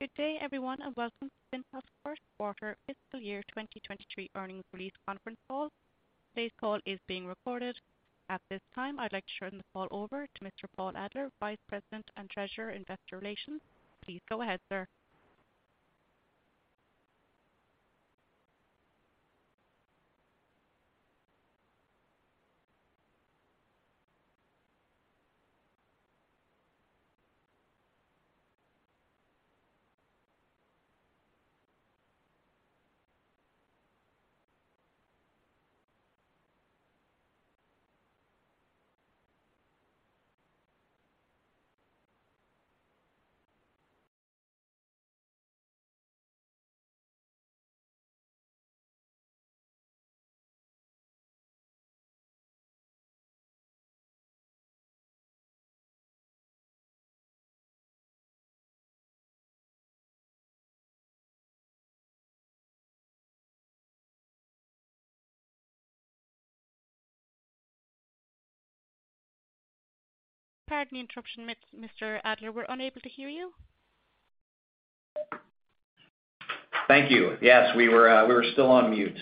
Good day, everyone, and welcome to Cintas Q1 fiscal year 2023 earnings release conference call. Today's call is being recorded. At this time, I'd like to turn the call over to Mr. Paul Adler, Vice President, Treasurer & Investor Relations. Please go ahead, sir. Pardon the interruption, Mr. Adler. We're unable to hear you. Thank you. Yes, we were still on mute.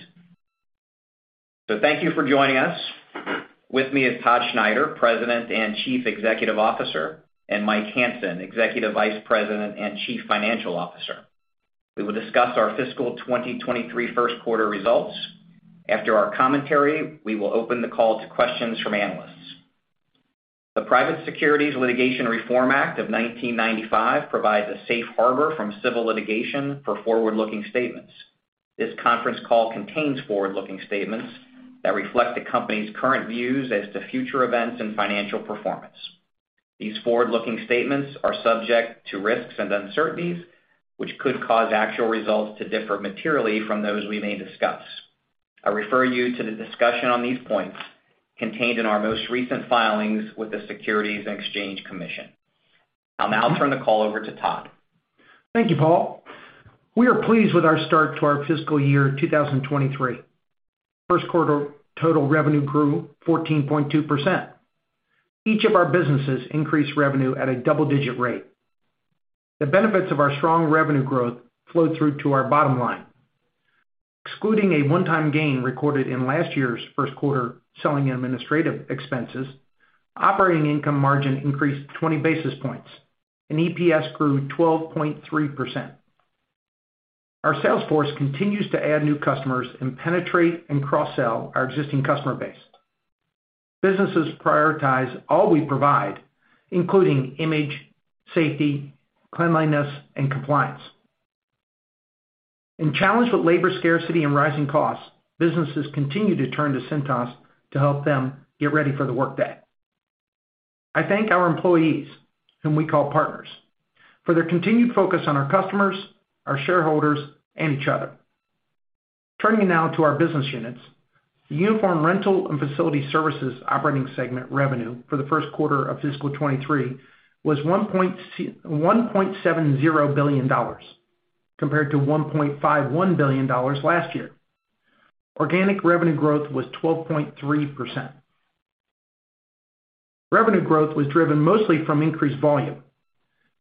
Thank you for joining us. With me is Todd Schneider, President and Chief Executive Officer, and Mike Hansen, Executive Vice President and Chief Financial Officer. We will discuss our fiscal 2023 Q1 results. After our commentary, we will open the call to questions from analysts. The Private Securities Litigation Reform Act of 1995 provides a safe harbor from civil litigation for forward-looking statements. This conference call contains forward-looking statements that reflect the company's current views as to future events and financial performance. These forward-looking statements are subject to risks and uncertainties, which could cause actual results to differ materially from those we may discuss. I refer you to the discussion on these points contained in our most recent filings with the Securities and Exchange Commission. I'll now turn the call over to Todd. Thank you, Paul. We are pleased with our start to our fiscal year 2023. Q1 total revenue grew 14.2%. Each of our businesses increased revenue at a double-digit rate. The benefits of our strong revenue growth flowed through to our bottom line. Excluding a one-time gain recorded in last year's Q1 selling and administrative expenses, operating income margin increased 20 basis points, and EPS grew 12.3%. Our sales force continues to add new customers and penetrate and cross-sell our existing customer base. Businesses prioritize all we provide, including image, safety, cleanliness, and compliance. Challenged with labor scarcity and rising costs, businesses continue to turn to Cintas to help them get ready for the workday. I thank our employees, whom we call partners, for their continued focus on our customers, our shareholders, and each other. Turning now to our business units. The Uniform Rental and Facility Services operating segment revenue for the Q1 of fiscal 2023 was $1.70 billion compared to $1.51 billion last year. Organic revenue growth was 12.3%. Revenue growth was driven mostly from increased volume.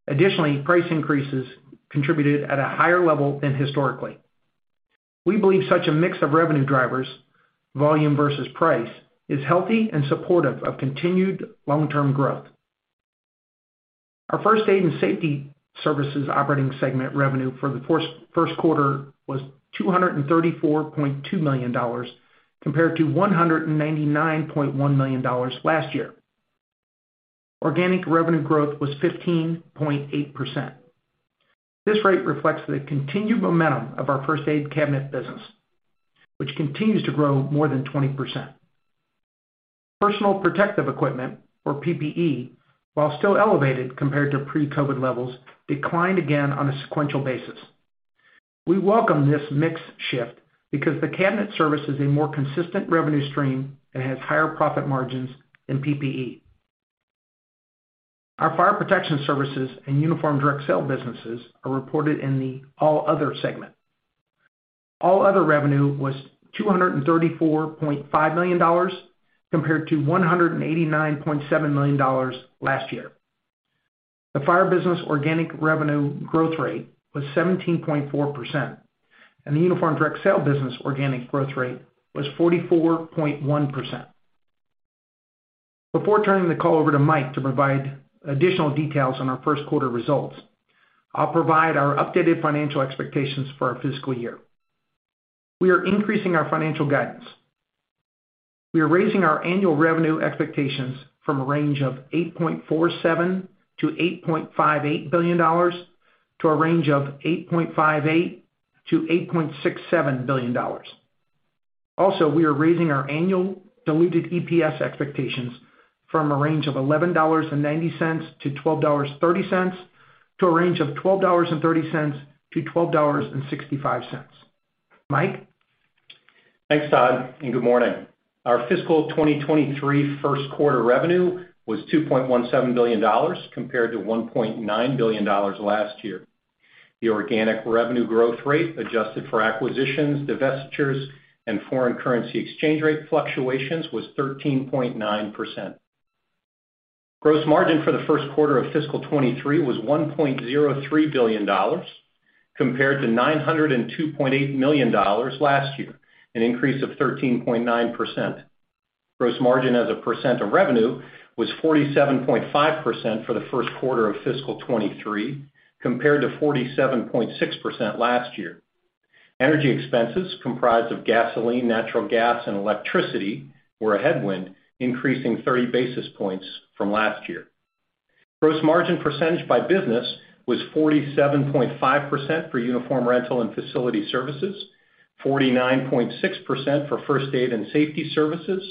Additionally, price increases contributed at a higher level than historically. We believe such a mix of revenue drivers, volume versus price, is healthy and supportive of continued long-term growth. Our First Aid and Safety Services operating segment revenue for the Q1 was $234.2 million, compared to $199.1 million last year. Organic revenue growth was 15.8%. This rate reflects the continued momentum of our first aid cabinet business, which continues to grow more than 20%. Personal protective equipment or PPE, while still elevated compared to pre-COVID levels, declined again on a sequential basis. We welcome this mix shift because the cabinet service is a more consistent revenue stream and has higher profit margins than PPE. Our Fire Protection Services and Uniform Direct Sale businesses are reported in the All Other segment. All Other revenue was $234.5 million compared to $189.7 million last year. The fire business organic revenue growth rate was 17.4%, and the Uniform Direct Sale business organic growth rate was 44.1%. Before turning the call over to Mike to provide additional details on our Q1 results, I'll provide our updated financial expectations for our fiscal year. We are increasing our financial guidance. We are raising our annual revenue expectations from a range of $8.47 billion-$8.58 billion to a range of $8.58 billion-$8.67 billion. Also, we are raising our annual diluted EPS expectations from a range of $11.90-$12.30 to a range of $12.30-$12.65. Mike? Thanks, Todd, and good morning. Our fiscal 2023 Q1 revenue was $2.17 billion compared to $1.9 billion last year. The organic revenue growth rate, adjusted for acquisitions, divestitures, and foreign currency exchange rate fluctuations, was 13.9%. Gross margin for the Q1 of fiscal 2023 was $1.03 billion compared to $902.8 million last year, an increase of 13.9%. Gross margin as a percent of revenue was 47.5% for the Q1 of fiscal 2023, compared to 47.6% last year. Energy expenses comprised of gasoline, natural gas, and electricity were a headwind, increasing 30 basis points from last year. Gross margin percentage by business was 47.5% for Uniform Rental and Facility Services, 49.6% for First Aid and Safety Services,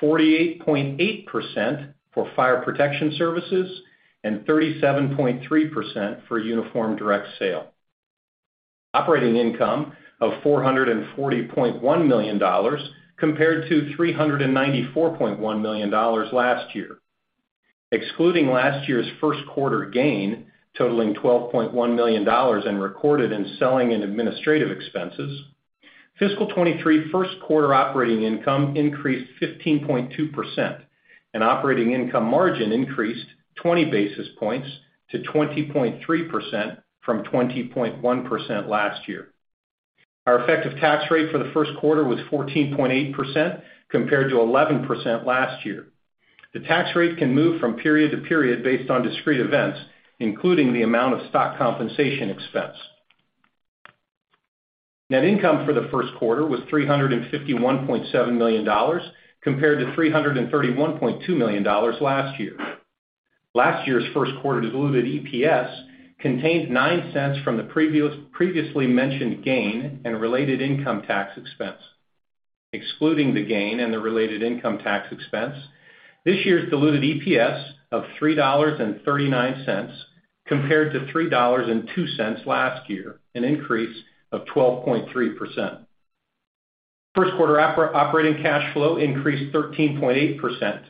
48.8% for Fire Protection Services, and 37.3% for Uniform Direct Sale. Operating income of $440.1 million compared to $394.1 million last year. Excluding last year's Q1 gain, totaling $12.1 million and recorded in selling and administrative expenses, fiscal 2023 Q1 operating income increased 15.2%, and operating income margin increased 20 basis points to 20.3% from 20.1% last year. Our effective tax rate for the Q1 was 14.8%, compared to 11% last year. The tax rate can move from period to period based on discrete events, including the amount of stock compensation expense. Net income for the Q1 was $351.7 million compared to $331.2 million last year. Last year's Q1 diluted EPS contained $0.09 from the previously mentioned gain and related income tax expense. Excluding the gain and the related income tax expense, this year's diluted EPS of $3.39 compared to $3.02 last year, an increase of 12.3%. Q1 operating cash flow increased 13.8%.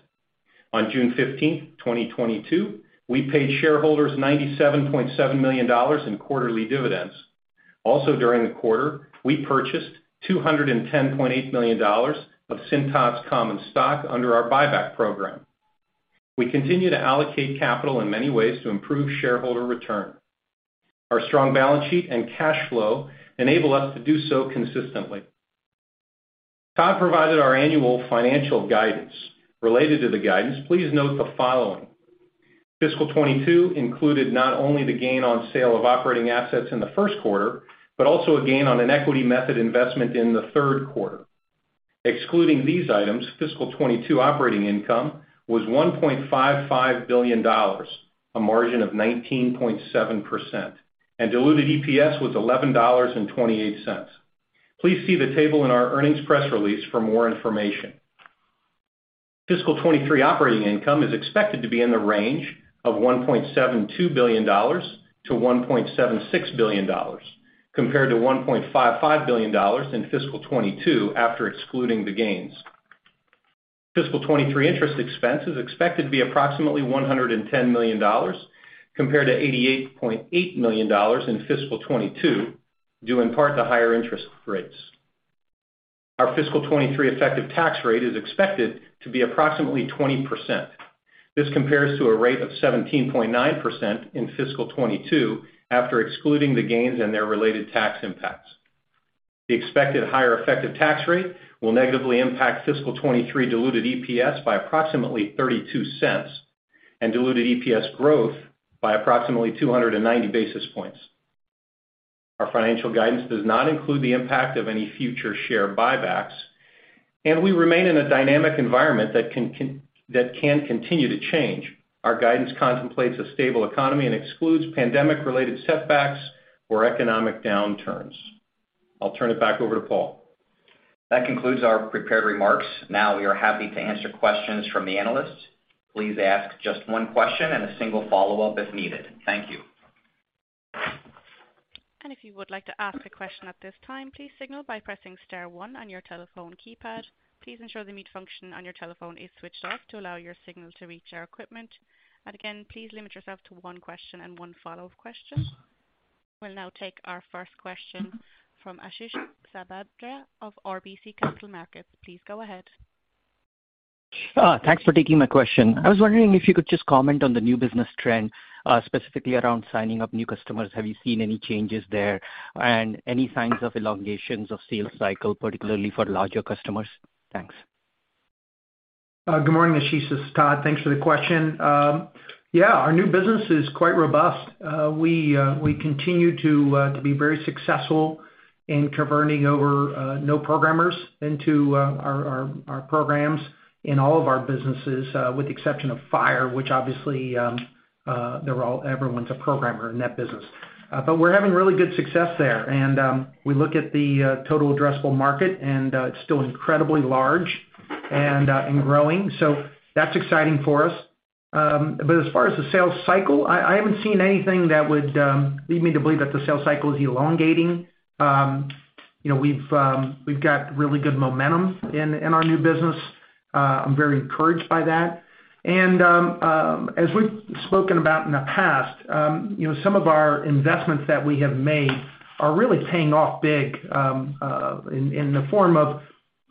On June 15, 2022, we paid shareholders $97.7 million in quarterly dividends. Also, during the quarter, we purchased $210.8 million of Cintas common stock under our buyback program. We continue to allocate capital in many ways to improve shareholder return. Our strong balance sheet and cash flow enable us to do so consistently. Todd provided our annual financial guidance. Related to the guidance, please note the following. Fiscal 2022 included not only the gain on sale of operating assets in the Q1, but also a gain on an equity method investment in the Q3. Excluding these items, fiscal 2022 operating income was $1.55 billion, a margin of 19.7%, and diluted EPS was $11.28. Please see the table in our earnings press release for more information. Fiscal 2023 operating income is expected to be in the range of $1.72 billion-$1.76 billion, compared to $1.55 billion in fiscal 2022 after excluding the gains. Fiscal 2023 interest expense is expected to be approximately $110 million compared to $88.8 million in fiscal 2022, due in part to higher interest rates. Our fiscal 2023 effective tax rate is expected to be approximately 20%. This compares to a rate of 17.9% in fiscal 2022 after excluding the gains and their related tax impacts. The expected higher effective tax rate will negatively impact fiscal 2023 diluted EPS by approximately $0.32 and diluted EPS growth by approximately 290 basis points. Our financial guidance does not include the impact of any future share buybacks, and we remain in a dynamic environment that can continue to change. Our guidance contemplates a stable economy and excludes pandemic-related setbacks or economic downturns. I'll turn it back over to Paul. That concludes our prepared remarks. Now we are happy to answer questions from the analysts. Please ask just one question and a single follow-up if needed. Thank you. If you would like to ask a question at this time, please signal by pressing star one on your telephone keypad. Please ensure the mute function on your telephone is switched off to allow your signal to reach our equipment. Again, please limit yourself to one question and one follow-up question. We'll now take our first question from Ashish Sabadra of RBC Capital Markets. Please go ahead. Thanks for taking my question. I was wondering if you could just comment on the new business trend, specifically around signing up new customers. Have you seen any changes there? Any signs of elongations of sales cycle, particularly for larger customers? Thanks. Good morning, Ashish. This is Todd. Thanks for the question. Yeah, our new business is quite robust. We continue to be very successful in converting over non-programmers into our programs in all of our businesses, with the exception of fire, which obviously, everyone's a programmer in that business. We're having really good success there. We look at the total addressable market, and it's still incredibly large and growing. That's exciting for us. As far as the sales cycle, I haven't seen anything that would lead me to believe that the sales cycle is elongating. You know, we've got really good momentum in our new business. I'm very encouraged by that. As we've spoken about in the past, you know, some of our investments that we have made are really paying off big in the form of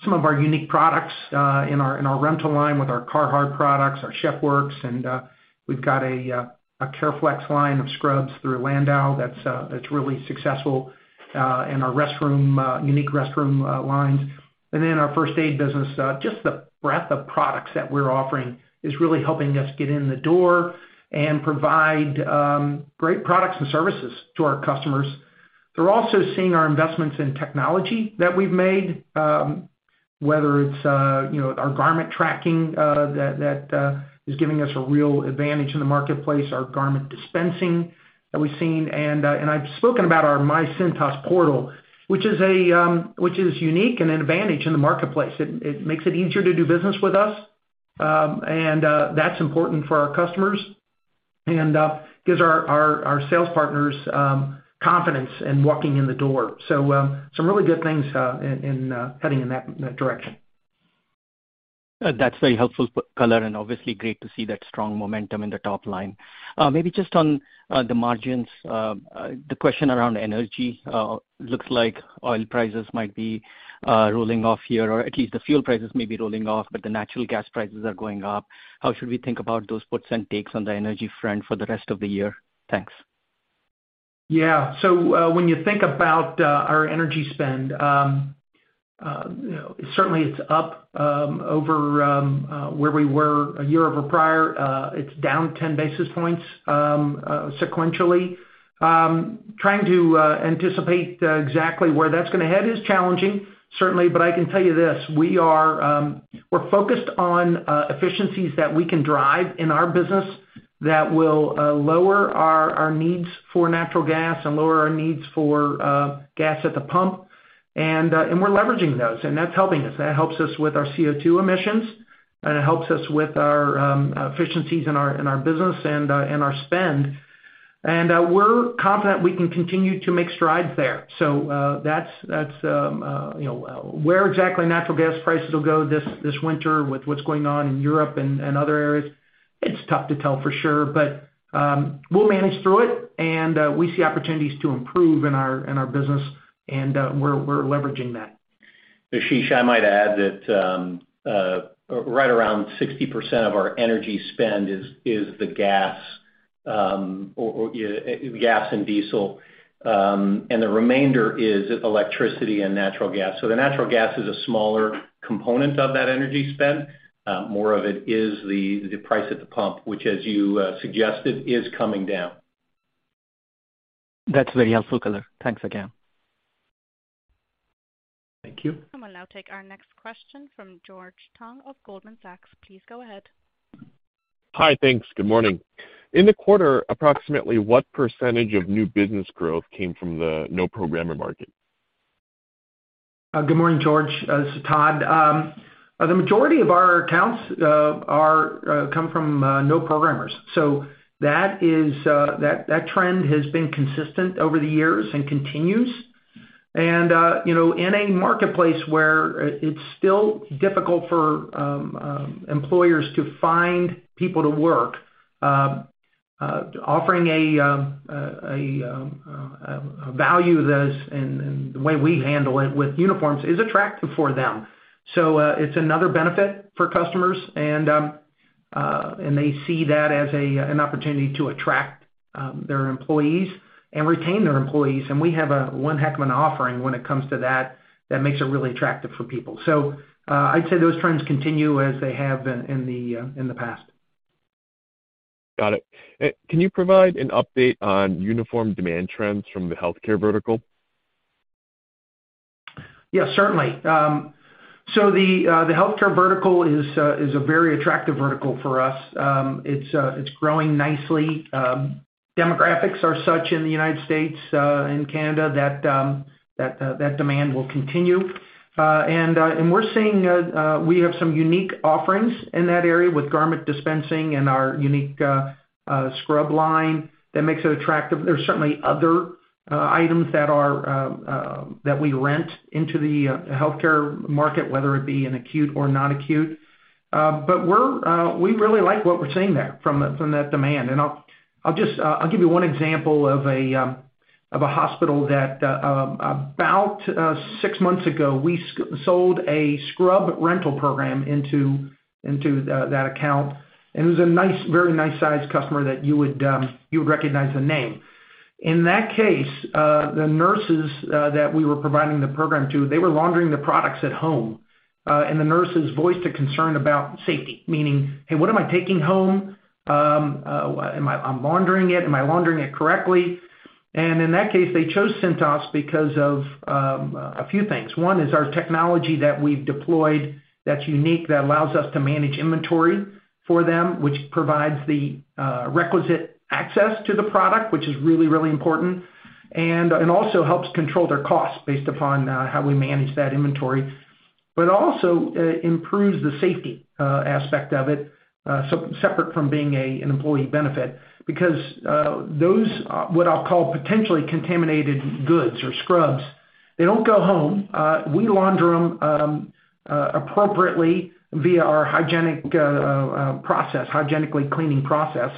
some of our unique products in our rental line with our Carhartt products, our Chef Works, and we've got a CareFlex line of scrubs through Landau that's really successful, and our unique restroom lines. Then our first aid business, just the breadth of products that we're offering is really helping us get in the door and provide great products and services to our customers. They're also seeing our investments in technology that we've made, whether it's, you know, our garment tracking that is giving us a real advantage in the marketplace, our garment dispensing that we've seen. I've spoken about our My Cintas portal, which is unique and an advantage in the marketplace. It makes it easier to do business with us, and that's important for our customers and gives our sales partners confidence in walking in the door. Some really good things heading in that direction. That's very helpful color, and obviously great to see that strong momentum in the top line. Maybe just on the margins. The question around energy looks like oil prices might be rolling off here, or at least the fuel prices may be rolling off, but the natural gas prices are going up. How should we think about those puts and takes on the energy front for the rest of the year? Thanks. Yeah. When you think about our energy spend, you know, certainly it's up over where we were a year over prior. It's down 10 basis points sequentially. Trying to anticipate exactly where that's gonna head is challenging, certainly, but I can tell you this, we're focused on efficiencies that we can drive in our business that will lower our needs for natural gas and lower our needs for gas at the pump, and we're leveraging those, and that's helping us. That helps us with our CO2 emissions, and it helps us with our efficiencies in our business and our spend. We're confident we can continue to make strides there. That's you know where exactly natural gas prices will go this winter with what's going on in Europe and other areas, it's tough to tell for sure. We'll manage through it, and we see opportunities to improve in our business, and we're leveraging that. Ashish, I might add that right around 60% of our energy spend is the gas and diesel and the remainder is electricity and natural gas. The natural gas is a smaller component of that energy spend. More of it is the price at the pump, which, as you suggested, is coming down. That's very helpful color. Thanks again. Thank you. We'll now take our next question from George Tong of Goldman Sachs. Please go ahead. Hi. Thanks. Good morning. In the quarter, approximately what percentage of new business growth came from the non-program market? Good morning, George Tong. This is Todd Schneider. The majority of our accounts come from no referrals, so that trend has been consistent over the years and continues. You know, in a marketplace where it's still difficult for employers to find people to work, offering a value and the way we handle it with uniforms is attractive for them. It's another benefit for customers, and they see that as an opportunity to attract their employees and retain their employees. We have one heck of an offering when it comes to that that makes it really attractive for people. I'd say those trends continue as they have been in the past. Got it. Can you provide an update on uniform demand trends from the healthcare vertical? Yeah, certainly. The healthcare vertical is a very attractive vertical for us. It's growing nicely. Demographics are such in the United States and Canada that demand will continue. We're seeing we have some unique offerings in that area with garment dispensing and our unique scrub line that makes it attractive. There's certainly other items that we rent into the healthcare market, whether it be in acute or non-acute. We really like what we're seeing there from that demand. I'll just give you one example of a hospital that about six months ago we sold a scrub rental program into that account, and it was a nice, very nice sized customer that you would recognize the name. In that case, the nurses that we were providing the program to, they were laundering the products at home, and the nurses voiced a concern about safety, meaning, "Hey, what am I taking home? Am I laundering it correctly?" In that case, they chose Cintas because of a few things. One is our technology that we've deployed that's unique, that allows us to manage inventory for them, which provides the requisite access to the product, which is really, really important, and also helps control their costs based upon how we manage that inventory. But it also improves the safety aspect of it separate from being an employee benefit because those what I'll call potentially contaminated goods or scrubs. They don't go home. We launder them appropriately via our hygienically cleaning process,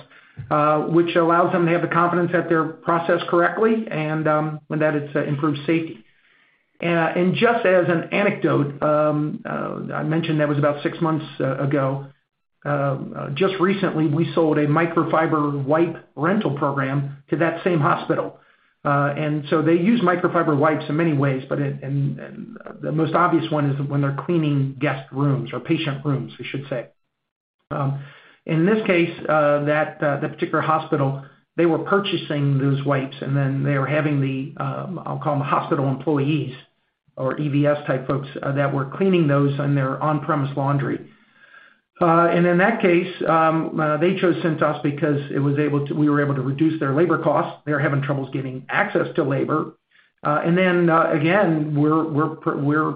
which allows them to have the confidence that they're processed correctly and that it's improved safety. Just as an anecdote, I mentioned that was about six months ago. Just recently, we sold a microfiber wipe rental program to that same hospital. They use microfiber wipes in many ways, but the most obvious one is when they're cleaning guest rooms or patient rooms, we should say. In this case, that particular hospital, they were purchasing those wipes, and then they were having the, I'll call them hospital employees or EVS type folks that were cleaning those on their on-premise laundry. In that case, they chose Cintas because we were able to reduce their labor costs. They were having troubles getting access to labor. We're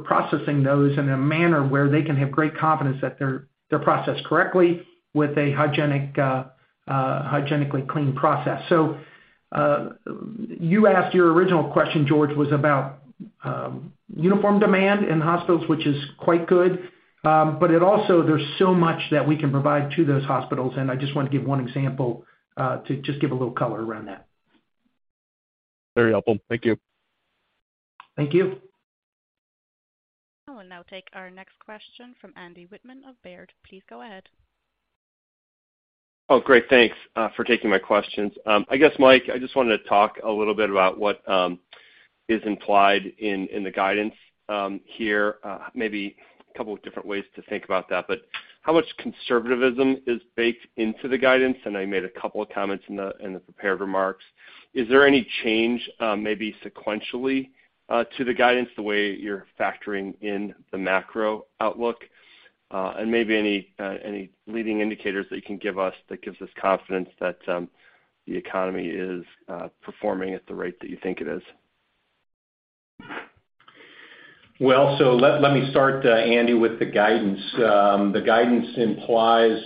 processing those in a manner where they can have great confidence that they're processed correctly with a hygienically clean process. You asked your original question, George, was about uniform demand in hospitals, which is quite good. It also, there's so much that we can provide to those hospitals, and I just want to give one example to just give a little color around that. Very helpful. Thank you. Thank you. I will now take our next question from Andy Wittmann of Baird. Please go ahead. Oh, great. Thanks for taking my questions. I guess, Mike, I just wanted to talk a little bit about what is implied in the guidance here, maybe a couple of different ways to think about that. How much conservatism is baked into the guidance? I made a couple of comments in the prepared remarks. Is there any change, maybe sequentially, to the guidance, the way you're factoring in the macro outlook? Maybe any leading indicators that you can give us that gives us confidence that the economy is performing at the rate that you think it is. Well, let me start, Andy, with the guidance. The guidance implies,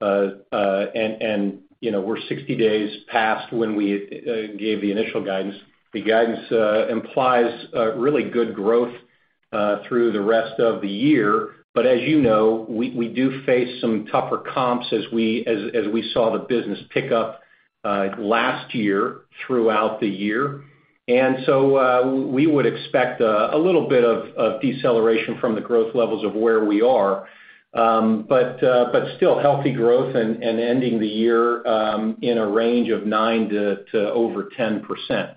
and you know, we're 60 days past when we gave the initial guidance. The guidance implies a really good growth through the rest of the year. As you know, we do face some tougher comps as we saw the business pick up last year throughout the year. We would expect a little bit of deceleration from the growth levels of where we are. But still healthy growth and ending the year in a range of 9% to over 10%.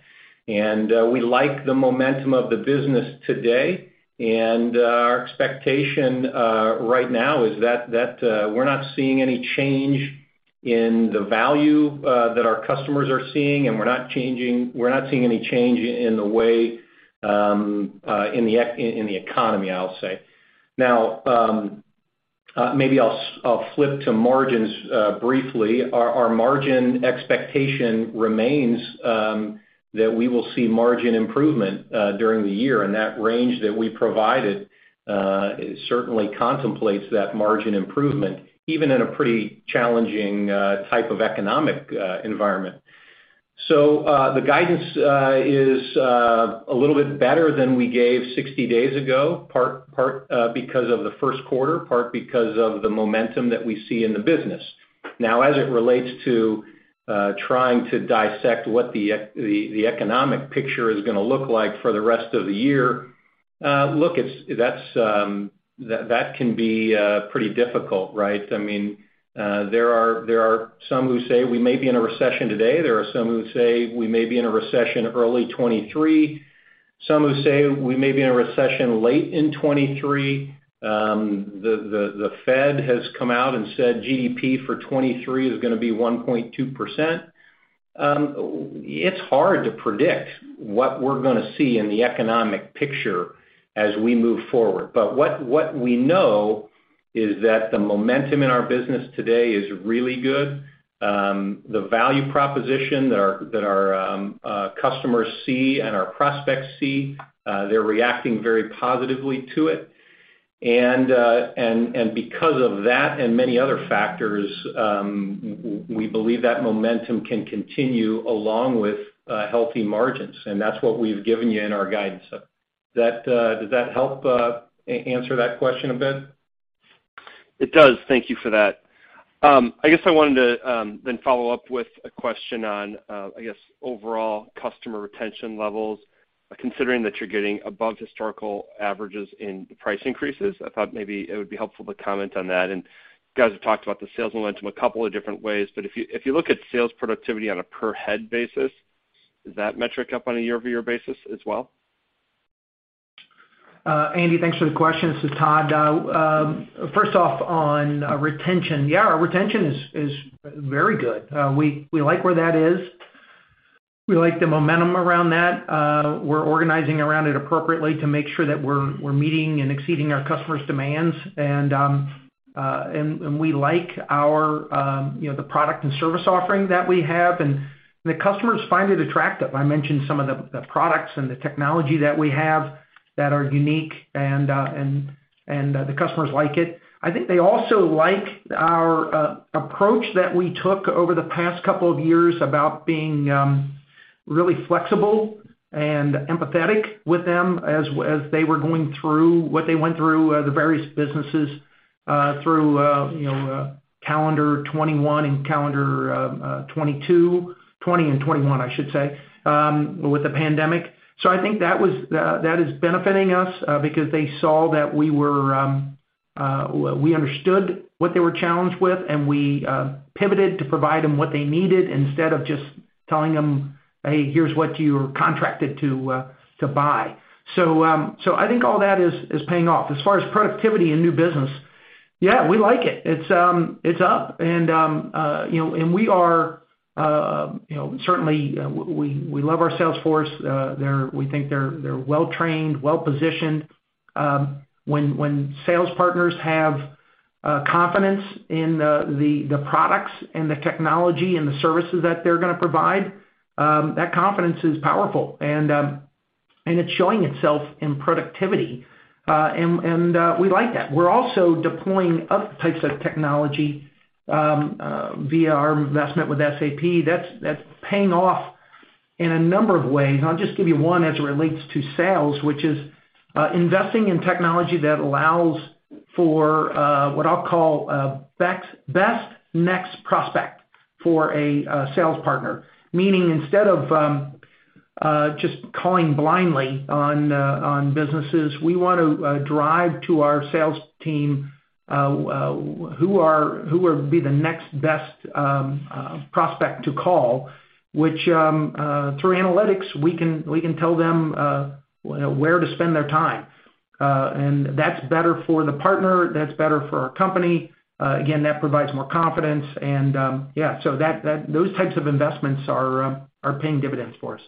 We like the momentum of the business today. Our expectation right now is that we're not seeing any change in the value that our customers are seeing, and we're not seeing any change in the way in the economy, I'll say. Now, maybe I'll flip to margins briefly. Our margin expectation remains that we will see margin improvement during the year, and that range that we provided certainly contemplates that margin improvement, even in a pretty challenging type of economic environment. The guidance is a little bit better than we gave 60 days ago, part because of the Q1, part because of the momentum that we see in the business. Now, as it relates to trying to dissect what the economic picture is gonna look like for the rest of the year, look, that can be pretty difficult, right? I mean, there are some who say we may be in a recession today. There are some who say we may be in a recession early 2023. Some who say we may be in a recession late in 2023. The Fed has come out and said GDP for 2023 is gonna be 1.2%. It's hard to predict what we're gonna see in the economic picture as we move forward. What we know is that the momentum in our business today is really good. The value proposition that our customers see and our prospects see, they're reacting very positively to it. Because of that and many other factors, we believe that momentum can continue along with healthy margins, and that's what we've given you in our guidance. Does that help answer that question a bit? It does. Thank you for that. I guess I wanted to then follow up with a question on, I guess, overall customer retention levels, considering that you're getting above historical averages in the price increases. I thought maybe it would be helpful to comment on that. You guys have talked about the sales momentum a couple of different ways, but if you look at sales productivity on a per head basis, is that metric up on a year-over-year basis as well? Andy, thanks for the question. This is Todd. First off, on retention. Yeah, our retention is very good. We like where that is. We like the momentum around that. We're organizing around it appropriately to make sure that we're meeting and exceeding our customers' demands. We like our, you know, the product and service offering that we have, and the customers find it attractive. I mentioned some of the products and the technology that we have. That are unique and the customers like it. I think they also like our approach that we took over the past couple of years about being really flexible and empathetic with them as they were going through what they went through, the various businesses through you know calendar 2021 and calendar 2022. 2020 and 2021, I should say, with the pandemic. I think that is benefiting us because they saw that we understood what they were challenged with, and we pivoted to provide them what they needed instead of just telling them, "Hey, here's what you're contracted to buy." I think all that is paying off. As far as productivity and new business, yeah, we like it. It's up and you know and we are you know certainly we love our sales force. We think they're well-trained, well-positioned. When sales partners have confidence in the products and the technology and the services that they're gonna provide, that confidence is powerful and it's showing itself in productivity. We like that. We're also deploying other types of technology via our investment with SAP. That's paying off in a number of ways, and I'll just give you one as it relates to sales, which is investing in technology that allows for what I'll call best next prospect for a sales partner. Meaning instead of just calling blindly on businesses, we want to drive to our sales team who would be the next best prospect to call, which, through analytics, we can tell them you know where to spend their time. That's better for the partner, that's better for our company. Again, that provides more confidence and yeah, so those types of investments are paying dividends for us.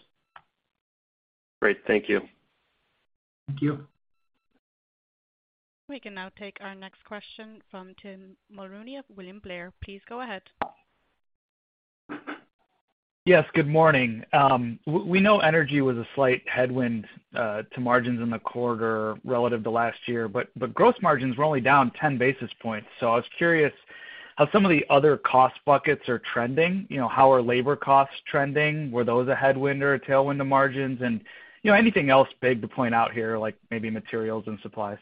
Great. Thank you. Thank you. We can now take our next question from Tim Mulrooney of William Blair. Please go ahead. Yes, good morning. We know energy was a slight headwind to margins in the quarter relative to last year, but gross margins were only down 10 basis points. I was curious how some of the other cost buckets are trending. You know, how are labor costs trending? Were those a headwind or a tailwind to margins? You know, anything else big to point out here, like maybe materials and supplies.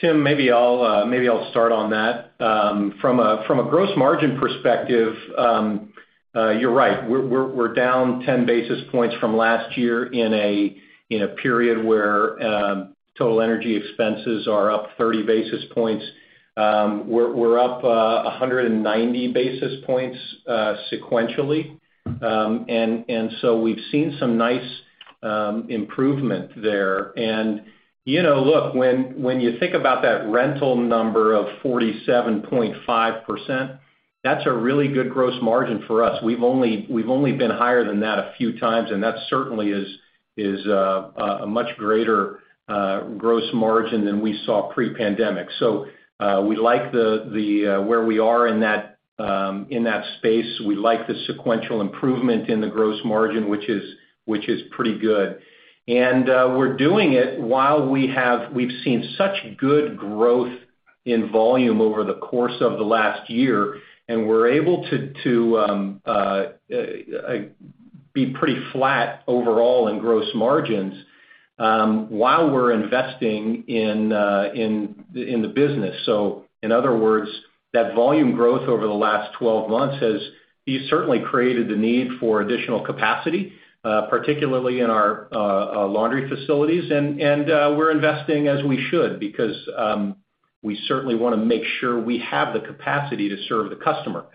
Tim, maybe I'll start on that. From a gross margin perspective, you're right. We're down 10 basis points from last year in a period where total energy expenses are up 30 basis points. We're up 190 basis points sequentially. And so we've seen some nice improvement there. You know, look, when you think about that rental number of 47.5%, that's a really good gross margin for us. We've only been higher than that a few times, and that certainly is a much greater gross margin than we saw pre-pandemic. We like where we are in that space. We like the sequential improvement in the gross margin, which is pretty good. We're doing it while we've seen such good growth in volume over the course of the last year, and we're able to be pretty flat overall in gross margins while we're investing in the business. In other words, that volume growth over the last 12 months has certainly created the need for additional capacity, particularly in our laundry facilities. We're investing as we should because we certainly wanna make sure we have the capacity to serve the customer.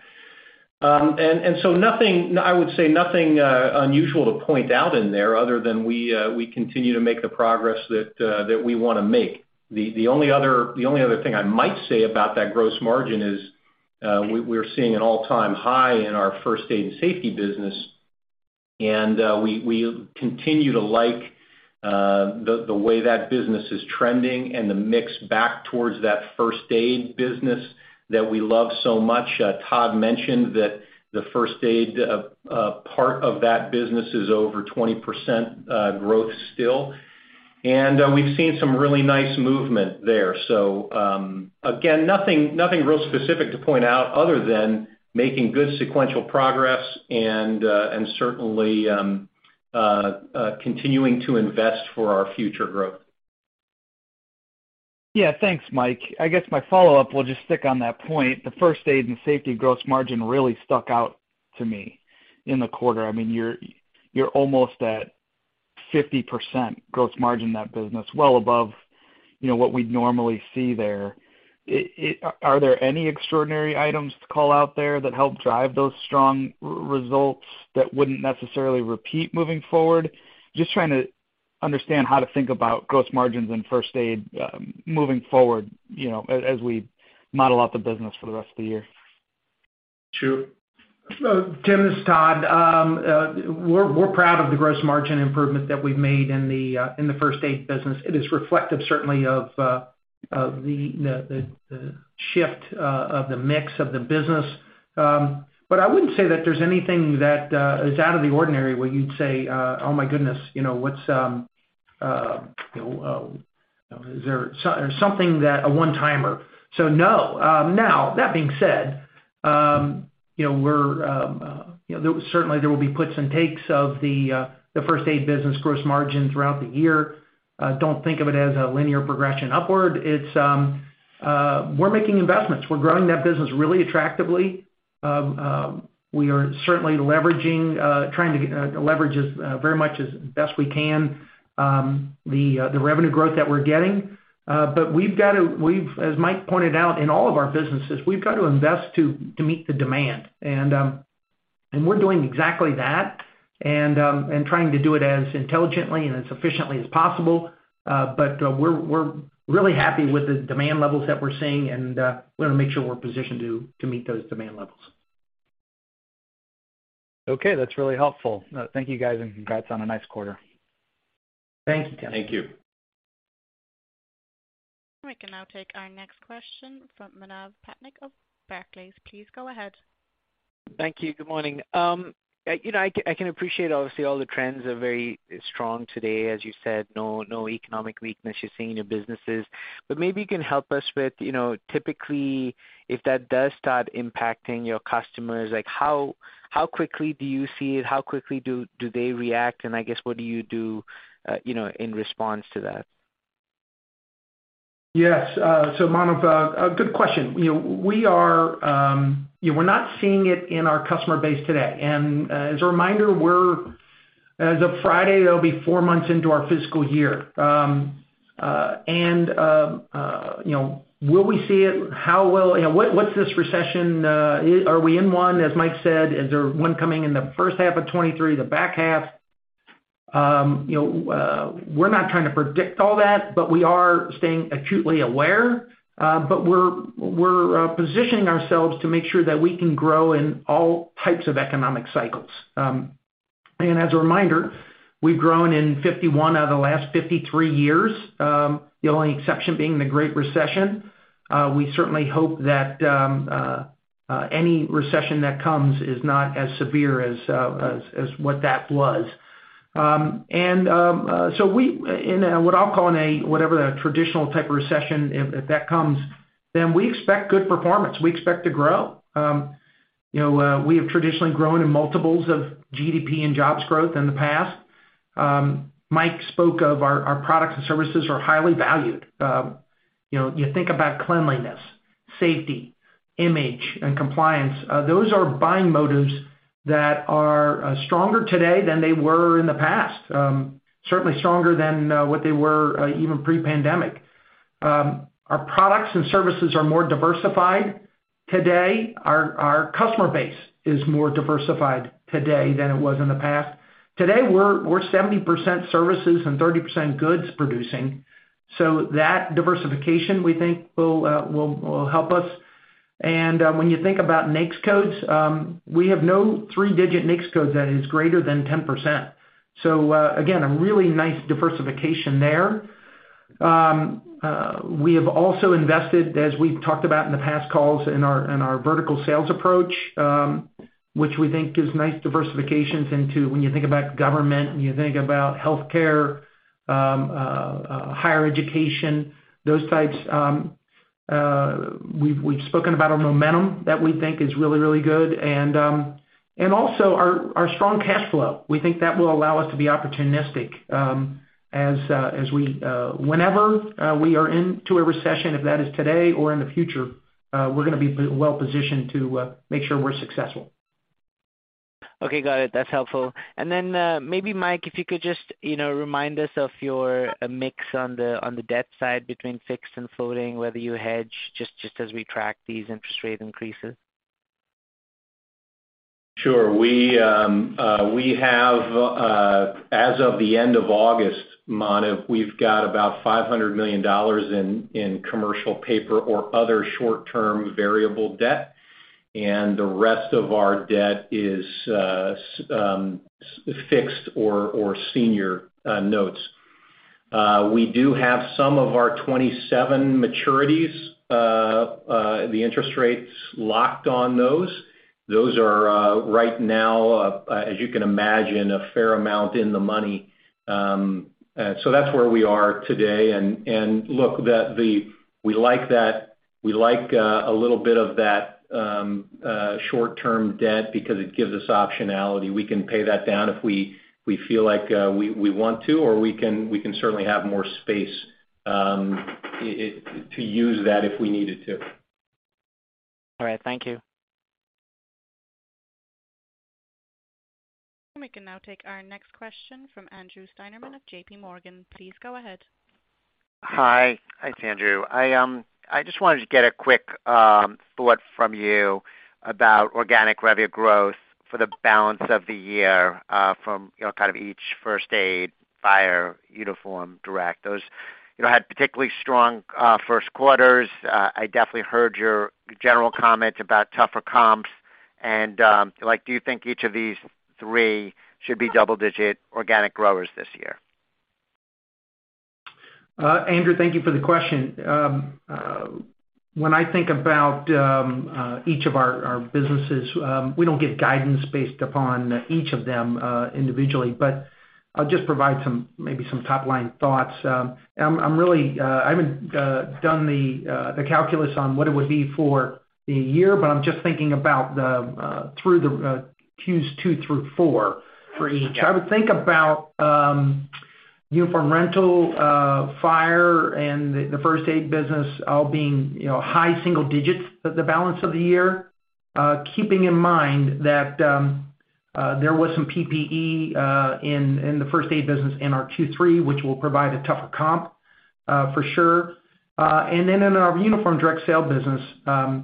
Nothing, I would say, unusual to point out in there other than we continue to make the progress that we wanna make. The only other thing I might say about that gross margin is, we're seeing an all-time high in our first aid and safety business. We continue to like the way that business is trending and the mix back towards that first aid business that we love so much. Todd mentioned that the first aid part of that business is over 20% growth still. We've seen some really nice movement there. Again, nothing real specific to point out other than making good sequential progress and certainly continuing to invest for our future growth. Yeah. Thanks, Mike. I guess my follow-up will just stick on that point. The first aid and safety gross margin really stuck out to me in the quarter. I mean, you're almost at 50% gross margin in that business, well above, you know, what we'd normally see there. Are there any extraordinary items to call out there that help drive those strong results that wouldn't necessarily repeat moving forward? Just trying to understand how to think about gross margins and first aid moving forward, you know, as we model out the business for the rest of the year. Sure. Tim, this is Todd. We're proud of the gross margin improvement that we've made in the first aid business. It is reflective certainly of the shift of the mix of the business. But I wouldn't say that there's anything that is out of the ordinary where you'd say, "Oh my goodness, you know, is there something that a one-timer." So no. Now that being said, you know, we're you know, certainly there will be puts and takes of the first aid business gross margin throughout the year. Don't think of it as a linear progression upward. It's. We're making investments. We're growing that business really attractively. We are certainly leveraging, trying to leverage as best we can, the revenue growth that we're getting. We've got to, as Mike pointed out, in all of our businesses, invest to meet the demand. We're doing exactly that and trying to do it as intelligently and as efficiently as possible. We're really happy with the demand levels that we're seeing, and we wanna make sure we're positioned to meet those demand levels. Okay, that's really helpful. Thank you guys, and congrats on a nice quarter. Thank you. Thank you. We can now take our next question from Manav Patnaik of Barclays. Please go ahead. Thank you. Good morning. Yeah, you know, I can appreciate obviously all the trends are very strong today, as you said, no economic weakness you're seeing in your businesses. Maybe you can help us with, you know, typically, if that does start impacting your customers, like, how quickly do you see it? How quickly do they react? I guess, what do you do, you know, in response to that? Yes. Manav, a good question. We're not seeing it in our customer base today. As a reminder, as of Friday, it'll be four months into our fiscal year. Will we see it? What is this recession? Are we in one? As Mike said, is there one coming in the first half of 2023, the back half? We're not trying to predict all that, but we are staying acutely aware. We're positioning ourselves to make sure that we can grow in all types of economic cycles. As a reminder, we've grown in 51 out of the last 53 years, the only exception being the Great Recession. We certainly hope that any recession that comes is not as severe as what that was. We expect good performance in what I'll call a traditional type of recession, if that comes. We expect to grow. You know, we have traditionally grown in multiples of GDP and jobs growth in the past. Mike spoke of our products and services are highly valued. You know, you think about cleanliness, safety, image, and compliance, those are buying motives that are stronger today than they were in the past, certainly stronger than what they were even pre-pandemic. Our products and services are more diversified today. Our customer base is more diversified today than it was in the past. Today, we're 70% services and 30% goods producing. That diversification, we think, will help us. When you think about NAICS codes, we have no three-digit NAICS codes that is greater than 10%. Again, a really nice diversification there. We have also invested, as we've talked about in the past calls, in our vertical sales approach, which we think gives nice diversifications into when you think about government, when you think about healthcare, higher education, those types. We've spoken about our momentum that we think is really good. And also our strong cash flow. We think that will allow us to be opportunistic, as we whenever we are into a recession, if that is today or in the future, we're gonna be well-positioned to make sure we're successful. Okay, got it. That's helpful. Maybe Mike, if you could just, you know, remind us of your mix on the debt side between fixed and floating, whether you hedge, just as we track these interest rate increases. Sure. We have, as of the end of August, Manav, we've got about $500 million in commercial paper or other short-term variable debt, and the rest of our debt is fixed or senior notes. We do have some of our 2027 maturities, the interest rates locked on those. Those are, right now, as you can imagine, a fair amount in the money. So that's where we are today. Look, we like that a little bit of that short-term debt because it gives us optionality. We can pay that down if we feel like we want to, or we can certainly have more space to use that if we needed to. All right. Thank you. We can now take our next question from Andrew Steinerman of J.P. Morgan. Please go ahead. Hi. It's Andrew. I just wanted to get a quick thought from you about organic revenue growth for the balance of the year, from, you know, kind of each First Aid, Fire, Uniform, Direct. Those, you know, had particularly strong Q1. I definitely heard your general comments about tougher comps and, like, do you think each of these three should be double digit organic growers this year? Andrew, thank you for the question. When I think about each of our businesses, we don't give guidance based upon each of them individually, but I'll just provide some maybe some top line thoughts. I'm really I haven't done the calculus on what it would be for the year, but I'm just thinking about through the Qs 2 through 4 for each. I would think about uniform rental, fire and the first aid business all being, you know, high single digits for the balance of the year. Keeping in mind that there was some PPE in the first aid business in our 2-3, which will provide a tougher comp for sure. In our Uniform Direct Sale business, we're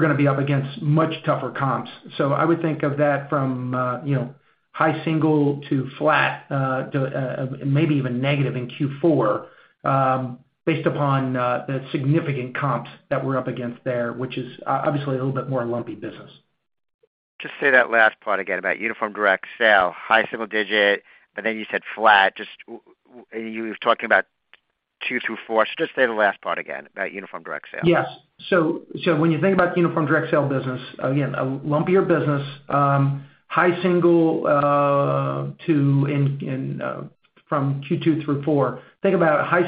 gonna be up against much tougher comps. I would think of that from high single to flat, maybe even negative in Q4, based upon the significant comps that we're up against there, which is obviously a little bit more lumpy business. Just say that last part again about Uniform Direct Sale, high single digit, but then you said flat. Just you were talking about 2 through 4. Just say the last part again about Uniform Direct Sales. Yes. When you think about the Uniform Direct Sale business, again, a lumpier business, think about high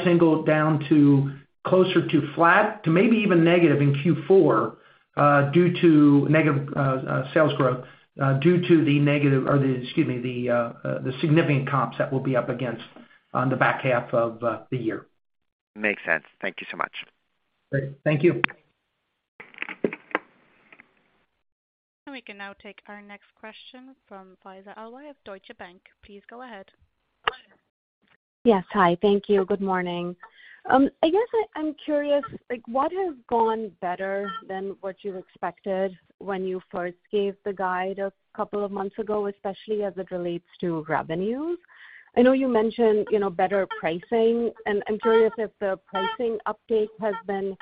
single down to closer to flat to maybe even negative in Q4 due to negative sales growth due to the significant comps that we'll be up against on the back half of the year. Makes sense. Thank you so much. Great. Thank you. We can now take our next question from Faiza Alwy of Deutsche Bank. Please go ahead. Yes. Hi. Thank you. Good morning. I guess I'm curious, like, what has gone better than what you expected when you first gave the guide a couple of months ago, especially as it relates to revenues? I know you mentioned, you know, better pricing, and I'm curious if the pricing update has been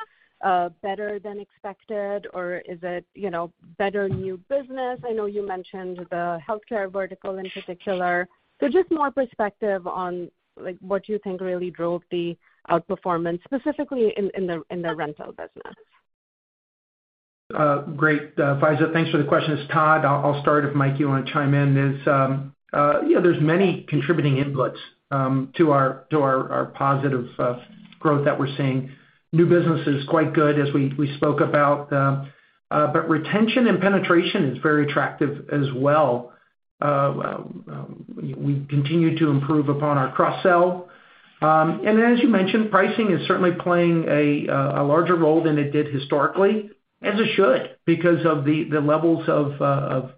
better than expected, or is it, you know, better new business? I know you mentioned the healthcare vertical in particular. Just more perspective on, like, what you think really drove the outperformance, specifically in the rental business. Great. Faiza, thanks for the question. It's Todd. I'll start if Mike, you wanna chime in. You know, there's many contributing inputs to our positive growth that we're seeing. New business is quite good as we spoke about. Retention and penetration is very attractive as well. We continue to improve upon our cross-sell. As you mentioned, pricing is certainly playing a larger role than it did historically, as it should because of the levels of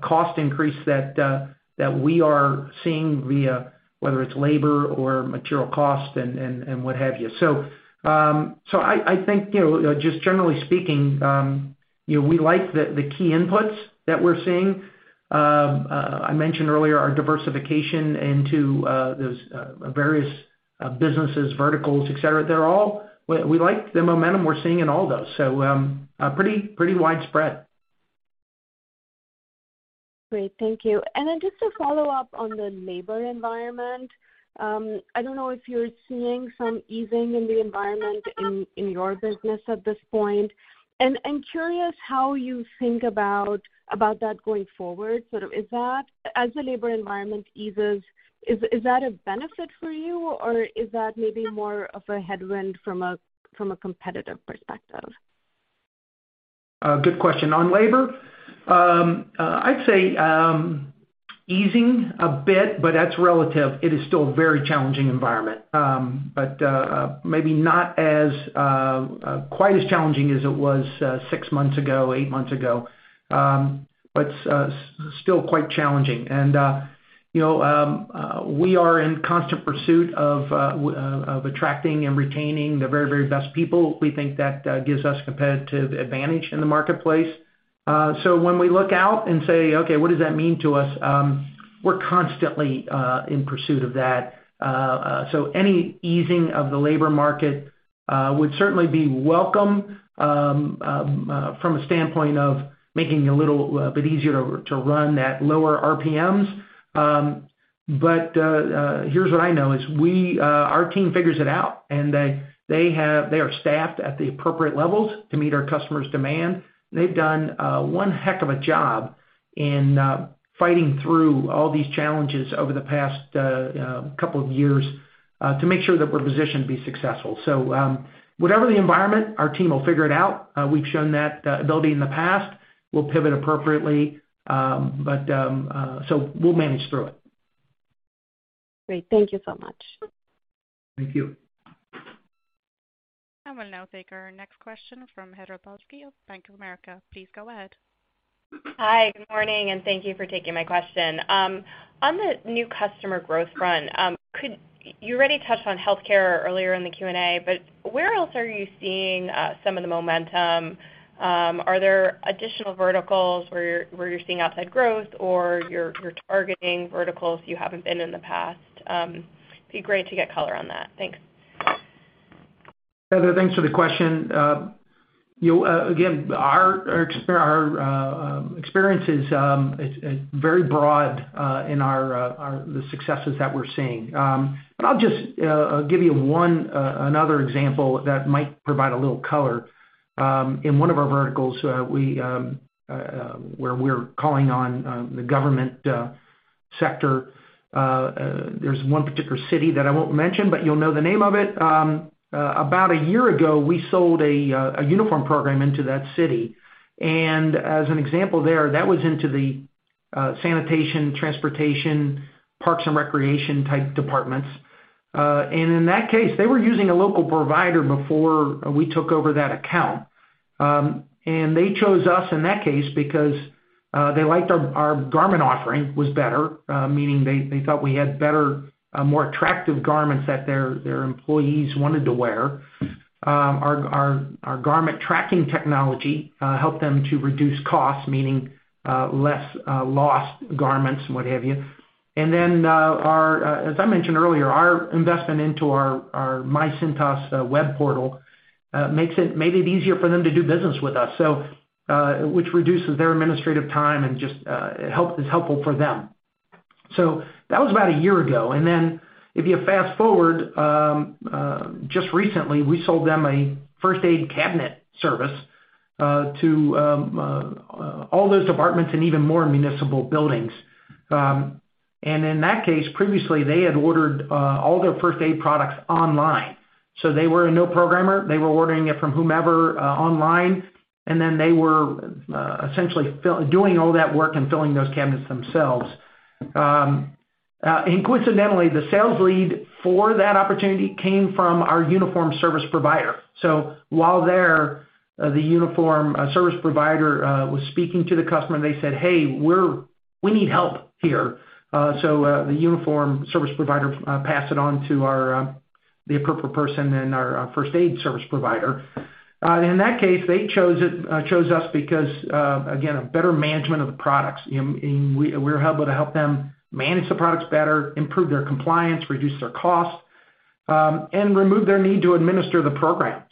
cost increase that we are seeing via whether it's labor or material costs and what have you. I think, you know, just generally speaking, you know, we like the key inputs that we're seeing. I mentioned earlier our diversification into those various businesses, verticals, et cetera. We like the momentum we're seeing in all those. Pretty widespread. Great. Thank you. Just to follow up on the labor environment, I don't know if you're seeing some easing in the environment in your business at this point. I'm curious how you think about that going forward, sort of is that as the labor environment eases, is that a benefit for you, or is that maybe more of a headwind from a competitive perspective? Good question. On labor, I'd say easing a bit, but that's relative. It is still a very challenging environment. But maybe not quite as challenging as it was six months ago, eight months ago. But still quite challenging. You know, we are in constant pursuit of attracting and retaining the very, very best people. We think that gives us competitive advantage in the marketplace. When we look out and say, okay, what does that mean to us? We're constantly in pursuit of that. Any easing of the labor market would certainly be welcome from a standpoint of making it a little bit easier to run at lower RPMs. Here's what I know is our team figures it out, and they are staffed at the appropriate levels to meet our customers' demand. They've done one heck of a job in fighting through all these challenges over the past couple of years to make sure that we're positioned to be successful. Whatever the environment, our team will figure it out. We've shown that ability in the past. We'll pivot appropriately. We'll manage through it. Great. Thank you so much. Thank you. I will now take our next question from Heather Balsky of Bank of America. Please go ahead. Hi. Good morning, and thank you for taking my question. On the new customer growth front, you already touched on healthcare earlier in the Q&A, but where else are you seeing some of the momentum? Are there additional verticals where you're seeing outsized growth or you're targeting verticals you haven't been in the past? It'd be great to get color on that. Thanks. Heather, thanks for the question. Again, our experience is very broad in our successes that we're seeing. But I'll just give you another example that might provide a little color. In one of our verticals where we're calling on the government sector, there's one particular city that I won't mention, but you'll know the name of it. About a year ago, we sold a uniform program into that city. As an example there, that was into the sanitation, transportation, parks and recreation type departments. And in that case, they were using a local provider before we took over that account. They chose us in that case because they liked our garment offering was better, meaning they thought we had better more attractive garments that their employees wanted to wear. Our garment tracking technology helped them to reduce costs, meaning less lost garments and what have you. As I mentioned earlier, our investment into our My Cintas web portal made it easier for them to do business with us, which reduces their administrative time and just is helpful for them. That was about a year ago. If you fast-forward, just recently, we sold them a first aid cabinet service to all those departments and even more municipal buildings. In that case, previously, they had ordered all their first aid products online. They were a non-programmer. They were ordering it from whomever online, and then they were essentially doing all that work and filling those cabinets themselves. Coincidentally, the sales lead for that opportunity came from our uniform service provider. While there, the uniform service provider was speaking to the customer, and they said, "Hey, we need help here." The uniform service provider passed it on to our the appropriate person and our first aid service provider. In that case, they chose us because again, a better management of the products. I mean, we're able to help them manage the products better, improve their compliance, reduce their costs, and remove their need to administer the program.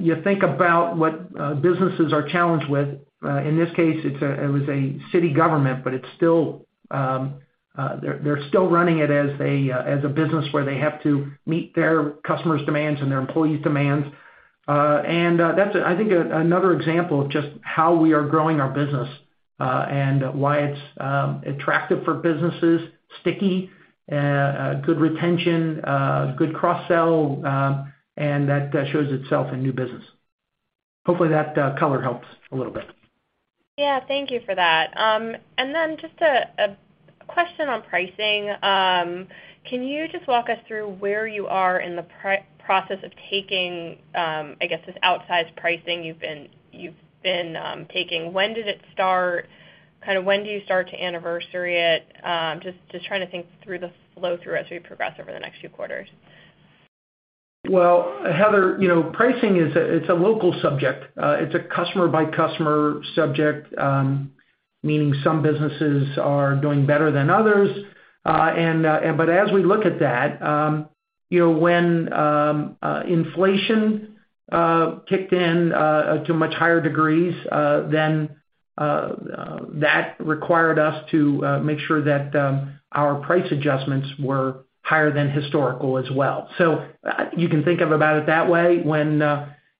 You think about what businesses are challenged with. In this case, it was a city government, but it's still they're still running it as a business where they have to meet their customers' demands and their employees' demands. That's, I think another example of just how we are growing our business, and why it's attractive for businesses, sticky, good retention, good cross-sell, and that shows itself in new business. Hopefully that color helps a little bit. Yeah, thank you for that. Just a question on pricing. Can you just walk us through where you are in the process of taking, I guess, this outsized pricing you've been taking? When did it start? Kind of, when do you start to anniversary it? Just trying to think through the flow through as we progress over the next few quarters. Well, Heather, you know, pricing is a local subject. It's a customer by customer subject, meaning some businesses are doing better than others. But as we look at that, you know, when inflation kicked in to much higher degrees, then that required us to make sure that our price adjustments were higher than historical as well. So, you can think about it that way. When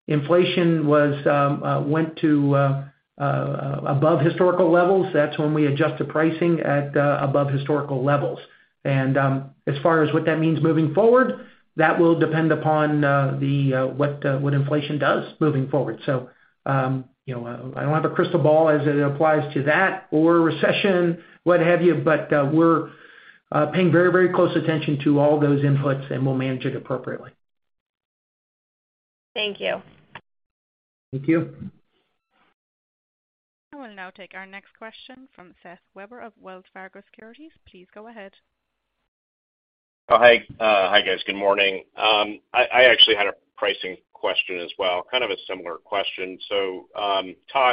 inflation went to above historical levels, that's when we adjust the pricing to above historical levels. As far as what that means moving forward, that will depend upon what inflation does moving forward. You know, I don't have a crystal ball as it applies to that or recession, what have you, but we're paying very, very close attention to all those inputs, and we'll manage it appropriately. Thank you. Thank you. I will now take our next question from Seth Weber of Wells Fargo Securities. Please go ahead. Oh, hi. Hi, guys. Good morning. I actually had a pricing question as well, kind of a similar question. Todd,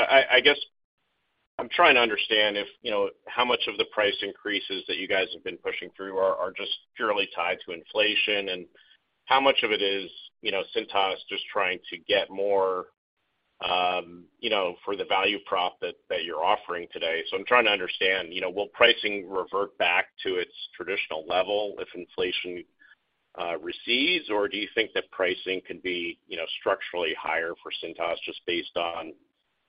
I guess I'm trying to understand if, you know, how much of the price increases that you guys have been pushing through are just purely tied to inflation, and how much of it is, you know, Cintas just trying to get more, you know, for the value prop that you're offering today. I'm trying to understand, you know, will pricing revert back to its traditional level if inflation recedes, or do you think that pricing can be, you know, structurally higher for Cintas just based on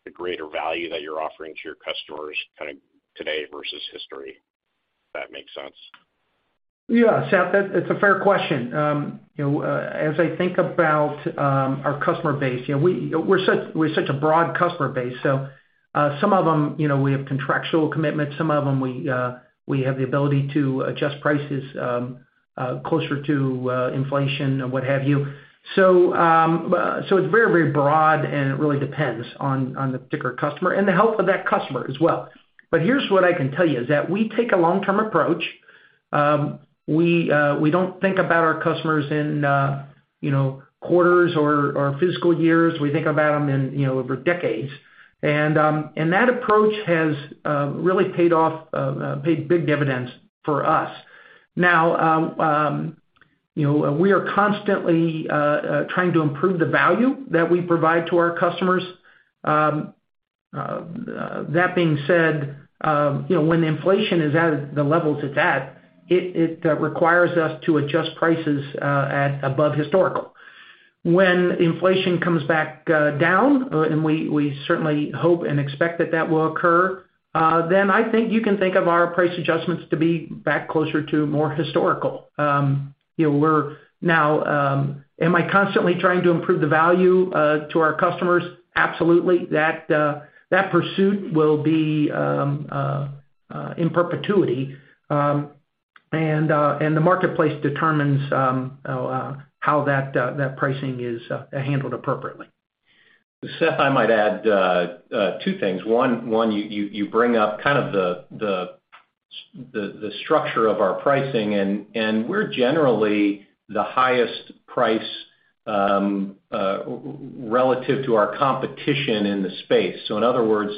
the greater value that you're offering to your customers kind of today versus history, if that makes sense. Yeah, Seth, it's a fair question. As I think about our customer base, you know, we have such a broad customer base, so some of them, you know, we have contractual commitments, some of them we have the ability to adjust prices closer to inflation and what have you. So it's very, very broad, and it really depends on the particular customer and the health of that customer as well. Here's what I can tell you, is that we take a long-term approach. We don't think about our customers in, you know, quarters or fiscal years. We think about them in, you know, over decades. That approach has really paid off, paid big dividends for us. Now, you know, we are constantly trying to improve the value that we provide to our customers. That being said, you know, when inflation is at the levels it's at, it requires us to adjust prices at above historical. When inflation comes back down, and we certainly hope and expect that will occur, then I think you can think of our price adjustments to be back closer to more historical. You know, Am I constantly trying to improve the value to our customers? Absolutely. That pursuit will be in perpetuity. And the marketplace determines how that pricing is handled appropriately. Seth, I might add two things. One, you bring up kind of the structure of our pricing, and we're generally the highest price relative to our competition in the space. In other words,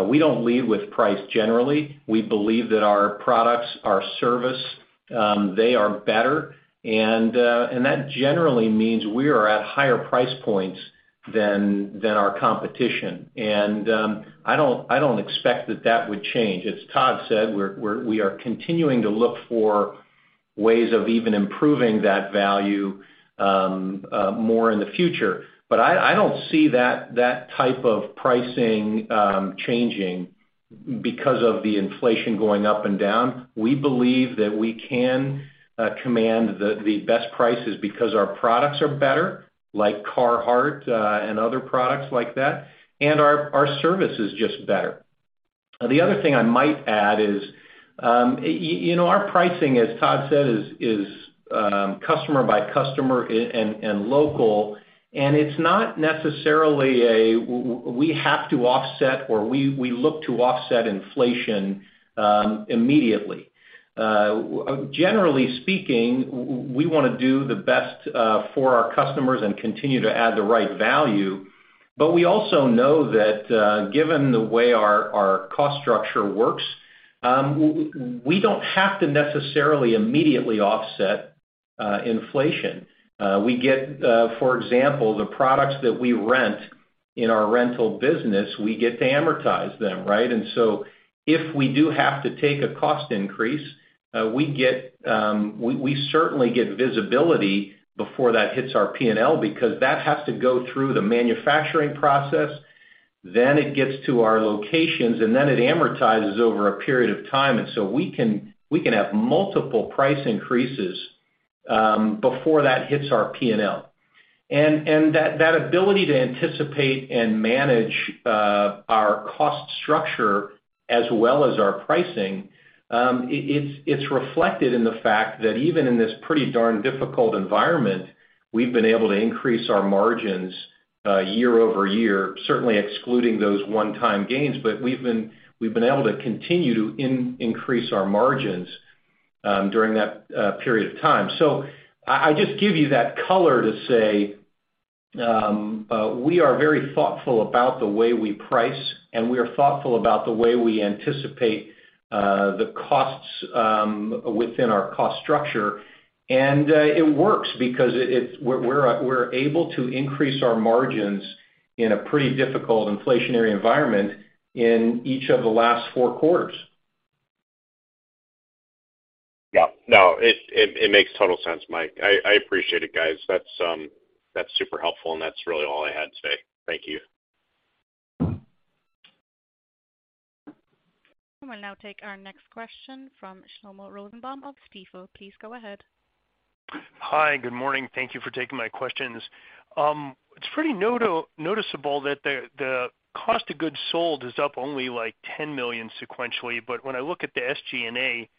we don't lead with price generally. We believe that our products, our service, they are better and that generally means we are at higher price points than our competition. I don't expect that would change. As Todd said, we're continuing to look for ways of even improving that value more in the future. I don't see that type of pricing changing because of the inflation going up and down. We believe that we can command the best prices because our products are better, like Carhartt, and other products like that, and our service is just better. The other thing I might add is, you know, our pricing, as Todd said, is customer by customer and local, and it's not necessarily we have to offset or we look to offset inflation immediately. Generally speaking, we wanna do the best for our customers and continue to add the right value. We also know that, given the way our cost structure works, we don't have to necessarily immediately offset inflation. We get, for example, the products that we rent in our rental business, we get to amortize them, right? If we do have to take a cost increase, we certainly get visibility before that hits our P&L because that has to go through the manufacturing process, then it gets to our locations, and then it amortizes over a period of time. We can have multiple price increases before that hits our P&L. That ability to anticipate and manage our cost structure as well as our pricing, it's reflected in the fact that even in this pretty darn difficult environment, we've been able to increase our margins year-over-year, certainly excluding those one-time gains, but we've been able to continue to increase our margins during that period of time. I just give you that color to say we are very thoughtful about the way we price, and we are thoughtful about the way we anticipate the costs within our cost structure. It works because we're able to increase our margins in a pretty difficult inflationary environment in each of the last four quarters. Yeah. No, it makes total sense, Mike. I appreciate it, guys. That's super helpful, and that's really all I had today. Thank you. We'll now take our next question from Shlomo Rosenbaum of Stifel. Please go ahead. Hi. Good morning. Thank you for taking my questions. It's pretty noticeable that the cost of goods sold is up only, like, $10 million sequentially. When I look at the SG&A,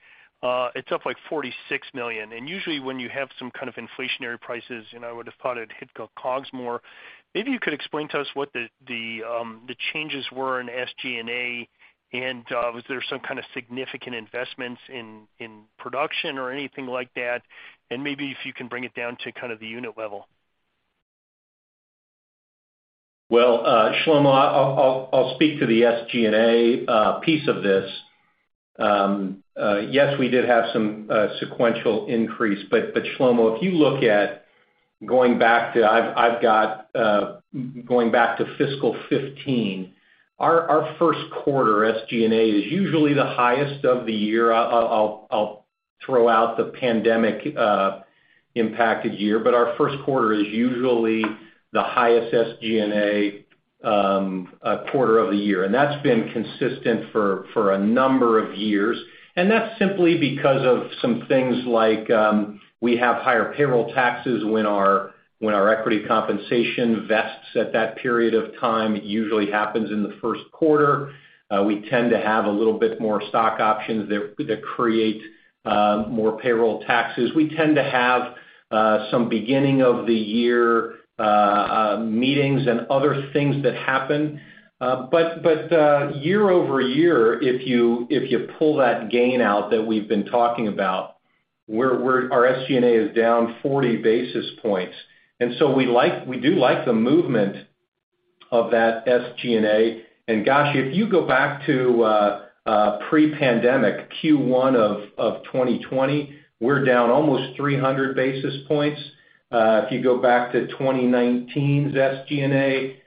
it's up, like, $46 million. Usually when you have some kind of inflationary prices, you know, I would have thought it'd hit the COGS more. Maybe you could explain to us what the changes were in SG&A, and was there some kind of significant investments in production or anything like that? Maybe if you can bring it down to kind of the unit level. Well, Shlomo, I'll speak to the SG&A piece of this. Yes, we did have some sequential increase. But Shlomo, if you look at going back to fiscal 2015, our Q1 SG&A is usually the highest of the year. I'll throw out the pandemic impacted year, but our Q1 is usually the highest SG&A quarter of the year, and that's been consistent for a number of years. That's simply because of some things like we have higher payroll taxes when our equity compensation vests at that period of time. It usually happens in the Q1. We tend to have a little bit more stock options that create more payroll taxes. We tend to have some beginning of the year meetings and other things that happen. Year over year, if you pull that gain out that we've been talking about, our SG&A is down 40 basis points. We do like the movement of that SG&A. Gosh, if you go back to pre-pandemic Q1 of 2020, we're down almost 300 basis points. If you go back to 2019's SG&A,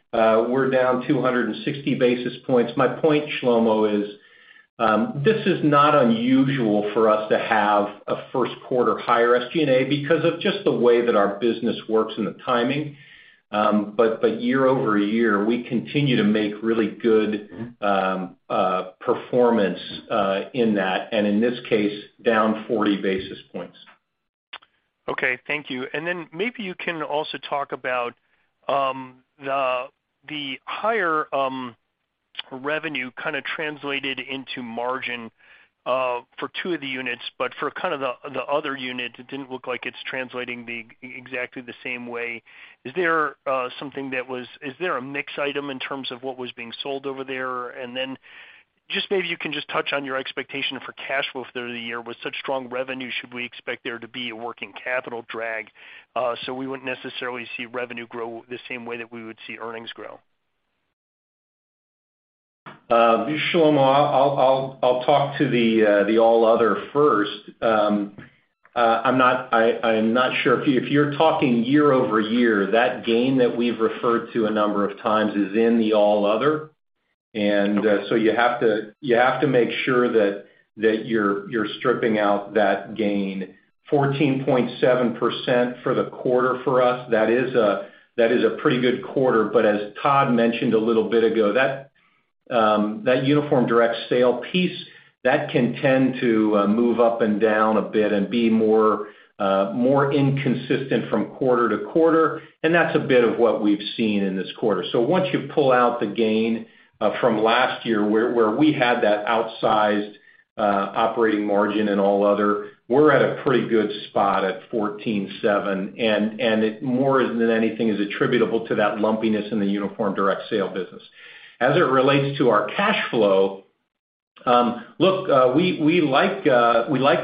we're down 260 basis points. My point, Shlomo, is this is not unusual for us to have a Q1 higher SG&A because of just the way that our business works and the timing. Year over year, we continue to make really good Mm-hmm performance in that, and in this case, down 40 basis points. Okay. Thank you. Maybe you can also talk about the higher revenue kind of translated into margin for two of the units, but for kind of the other unit, it didn't look like it's translating exactly the same way. Is there a mix item in terms of what was being sold over there? Maybe you can just touch on your expectation for cash flow through the year. With such strong revenue, should we expect there to be a working capital drag, so we wouldn't necessarily see revenue grow the same way that we would see earnings grow? Shlomo, I'll talk to the All Other first. I'm not sure if you're talking year-over-year, that gain that we've referred to a number of times is in the All Other. So you have to make sure that you're stripping out that gain. 14.7% for the quarter for us, that is a pretty good quarter. As Todd mentioned a little bit ago, that Uniform Direct Sale piece, that can tend to move up and down a bit and be more inconsistent from quarter-to-quarter, and that's a bit of what we've seen in this quarter. Once you pull out the gain from last year, where we had that outsized operating margin in All Other, we're at a pretty good spot at 14.7%, and it more than anything is attributable to that lumpiness in the Uniform Direct Sale business. As it relates to our cash flow, look, we like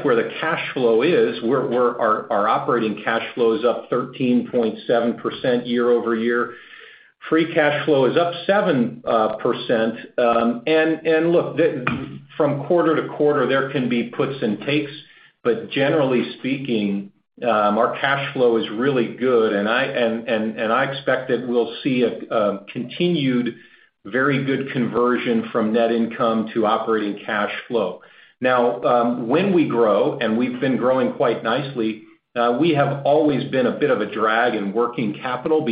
where the cash flow is, where our operating cash flow is up 13.7% year-over-year. Free cash flow is up 7%. Look, from quarter to quarter, there can be puts and takes. But generally speaking, our cash flow is really good, and I expect that we'll see a continued very good conversion from net income to operating cash flow. Now, when we grow, and we've been growing quite nicely, we have always been a bit of a drag in working capital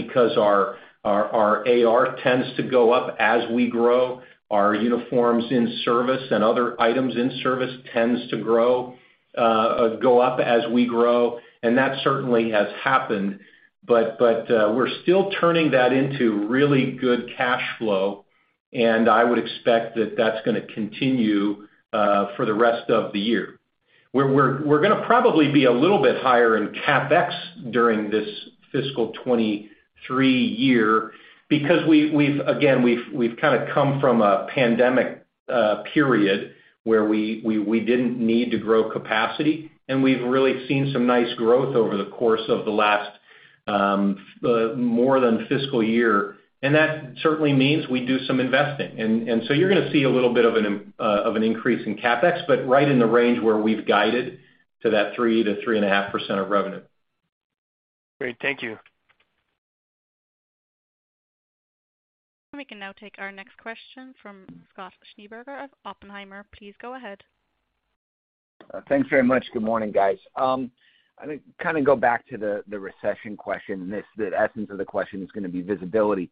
because our AR tends to go up as we grow. Our uniforms in service and other items in service tends to go up as we grow, and that certainly has happened. We're still turning that into really good cash flow, and I would expect that that's gonna continue, for the rest of the year. We're gonna probably be a little bit higher in CapEx during this fiscal 2023 year because we've again kind of come from a pandemic period where we didn't need to grow capacity, and we've really seen some nice growth over the course of the last more than fiscal year, and that certainly means we do some investing. You're gonna see a little bit of an increase in CapEx, but right in the range where we've guided to that 3%-3.5% of revenue. Great. Thank you. We can now take our next question from Scott Schneeberger of Oppenheimer. Please go ahead. Thanks very much. Good morning, guys. I think kind of go back to the recession question, the essence of the question is gonna be visibility.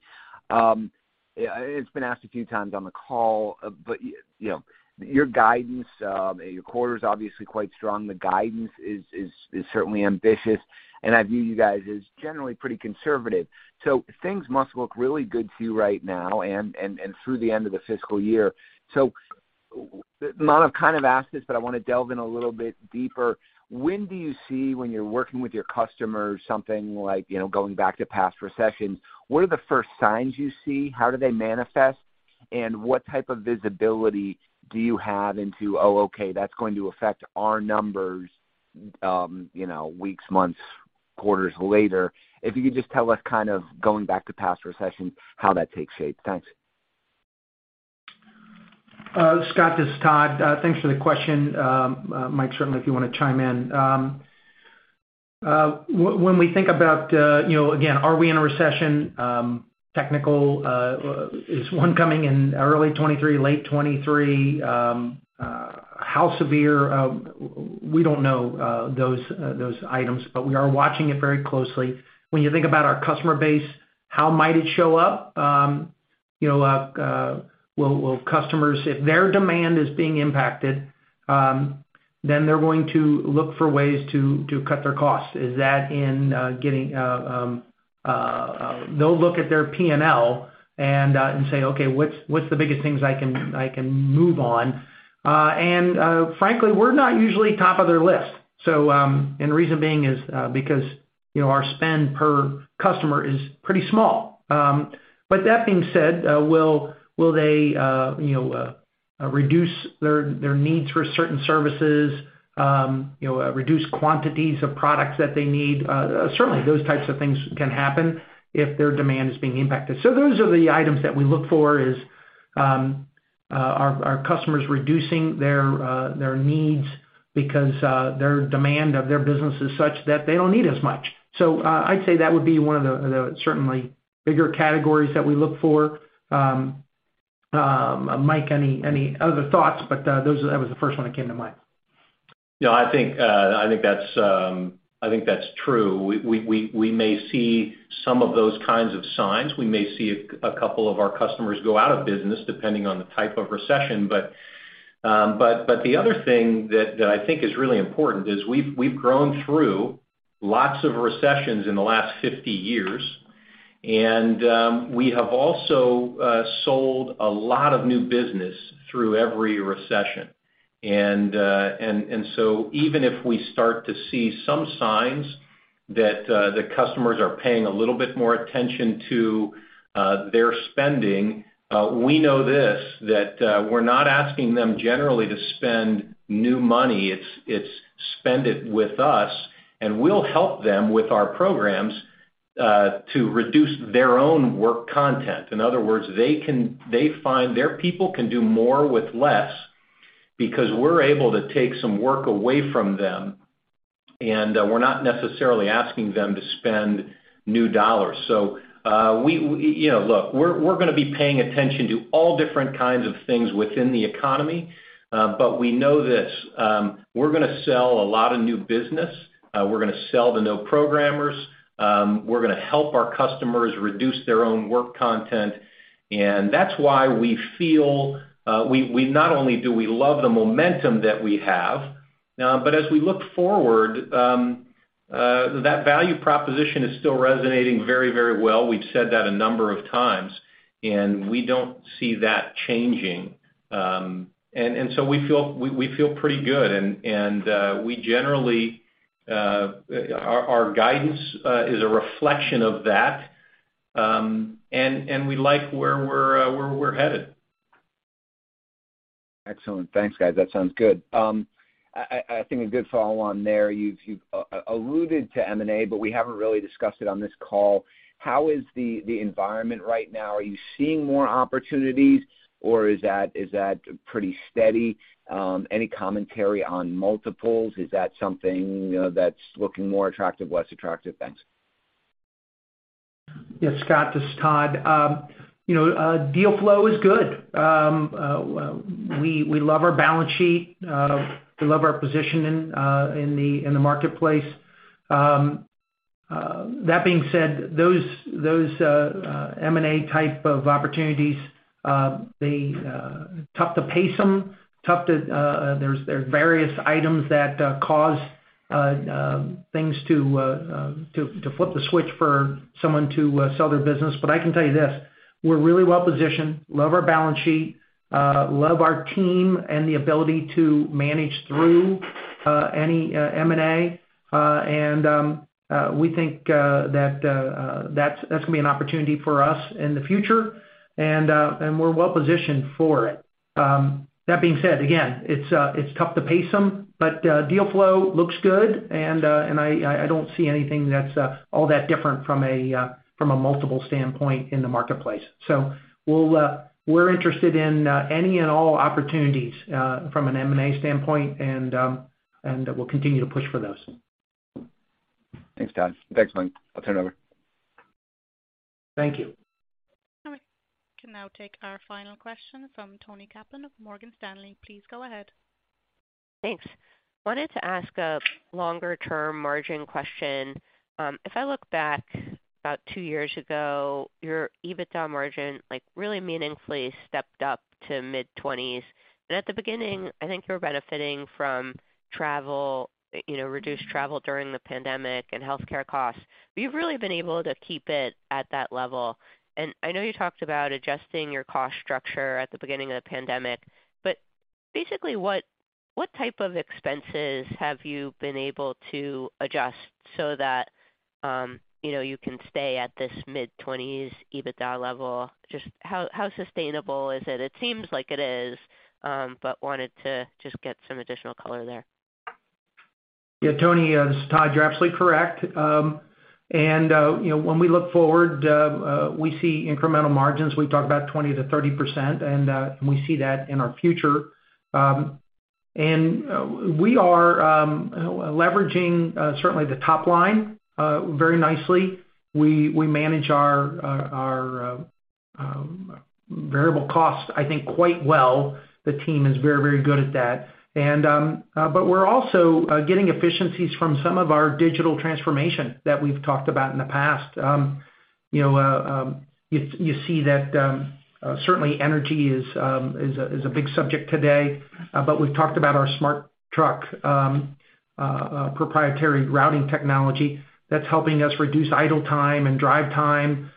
It's been asked a few times on the call, but you know, your guidance, your quarter's obviously quite strong. The guidance is certainly ambitious, and I view you guys as generally pretty conservative. Things must look really good to you right now and through the end of the fiscal year. Manav kind of asked this, but I wanna delve in a little bit deeper. When do you see when you're working with your customers, something like, you know, going back to past recessions, what are the first signs you see? How do they manifest? What type of visibility do you have into, "Oh, okay, that's going to affect our numbers, you know, weeks, months, quarters later"? If you could just tell us kind of going back to past recessions, how that takes shape. Thanks. Scott, this is Todd. Thanks for the question. Mike, certainly if you wanna chime in. When we think about, you know, again, are we in a recession, technical, is one coming in early 2023, late 2023, how severe, we don't know, those items, but we are watching it very closely. When you think about our customer base, how might it show up, you know, will customers, if their demand is being impacted, then they're going to look for ways to cut their costs. They'll look at their P&L and say, "Okay, what's the biggest things I can move on?" Frankly, we're not usually top of their list. The reason being is because, you know, our spend per customer is pretty small. But that being said, will they, you know, reduce their needs for certain services, you know, reduce quantities of products that they need? Certainly, those types of things can happen if their demand is being impacted. Those are the items that we look for is. Our customers reducing their needs because their demand of their business is such that they don't need as much. I'd say that would be one of the certainly bigger categories that we look for. Mike, any other thoughts? That was the first one that came to mind. No, I think that's true. We may see some of those kinds of signs. We may see a couple of our customers go out of business, depending on the type of recession. The other thing that I think is really important is we've grown through lots of recessions in the last 50 years, and we have also sold a lot of new business through every recession. Even if we start to see some signs that the customers are paying a little bit more attention to their spending, we know that we're not asking them generally to spend new money. It's spend it with us, and we'll help them with our programs to reduce their own work content. In other words, they find their people can do more with less because we're able to take some work away from them, and we're not necessarily asking them to spend new dollars. You know, look, we're gonna be paying attention to all different kinds of things within the economy, but we know this. We're gonna sell a lot of new business. We're gonna sell to new programmers. We're gonna help our customers reduce their own work content, and that's why we feel, we not only do we love the momentum that we have, but as we look forward, that value proposition is still resonating very, very well. We've said that a number of times, and we don't see that changing. We feel pretty good. Our guidance is a reflection of that, and we like where we're headed. Excellent. Thanks, guys. That sounds good. I think a good follow on there, you've alluded to M&A, but we haven't really discussed it on this call. How is the environment right now? Are you seeing more opportunities, or is that pretty steady? Any commentary on multiples? Is that something that's looking more attractive, less attractive? Thanks. Yes, Scott, this is Todd. You know, deal flow is good. We love our balance sheet. We love our position in the marketplace. That being said, those M&A type of opportunities, they're tough to pace them, tough to. There are various items that cause things to flip the switch for someone to sell their business. I can tell you this: We're really well positioned, love our balance sheet, love our team and the ability to manage through any M&A. We think that that's gonna be an opportunity for us in the future and we're well positioned for it. That being said, again, it's tough to pace them, but deal flow looks good, and I don't see anything that's all that different from a multiple standpoint in the marketplace. We're interested in any and all opportunities from an M&A standpoint and we'll continue to push for those. Thanks, Todd. Thanks, Mike. I'll turn it over. Thank you. We can now take our final question from Toni Kaplan of Morgan Stanley. Please go ahead. Thanks. Wanted to ask a longer-term margin question. If I look back about two years ago, your EBITDA margin, like, really meaningfully stepped up to mid-20s%. At the beginning, I think you were benefiting from travel, you know, reduced travel during the pandemic and healthcare costs. You've really been able to keep it at that level. I know you talked about adjusting your cost structure at the beginning of the pandemic, but basically, what type of expenses have you been able to adjust so that, you know, you can stay at this mid-20s% EBITDA level? Just how sustainable is it? It seems like it is, but wanted to just get some additional color there. Yeah, Toni, this is Todd. You're absolutely correct. You know, when we look forward, we see incremental margins. We've talked about 20%-30%, and we see that in our future. We are leveraging certainly the top line very nicely. We manage our variable costs, I think, quite well. The team is very good at that. We're also getting efficiencies from some of our digital transformation that we've talked about in the past. You know, you see that, certainly energy is a big subject today. We've talked about our Smart Truck, proprietary routing technology that's helping us reduce idle time and drive time,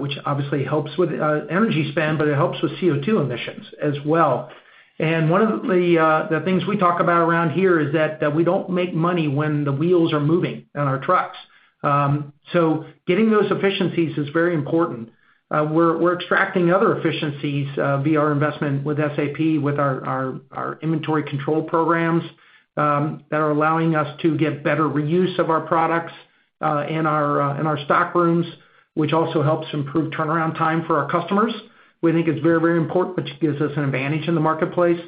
which obviously helps with energy spend, but it helps with CO2 emissions as well. One of the things we talk about around here is that we don't make money when the wheels are moving on our trucks. Getting those efficiencies is very important. We're extracting other efficiencies via our investment with SAP, with our inventory control programs that are allowing us to get better reuse of our products. In our stock rooms, which also helps improve turnaround time for our customers. We think it's very important, which gives us an advantage in the marketplace.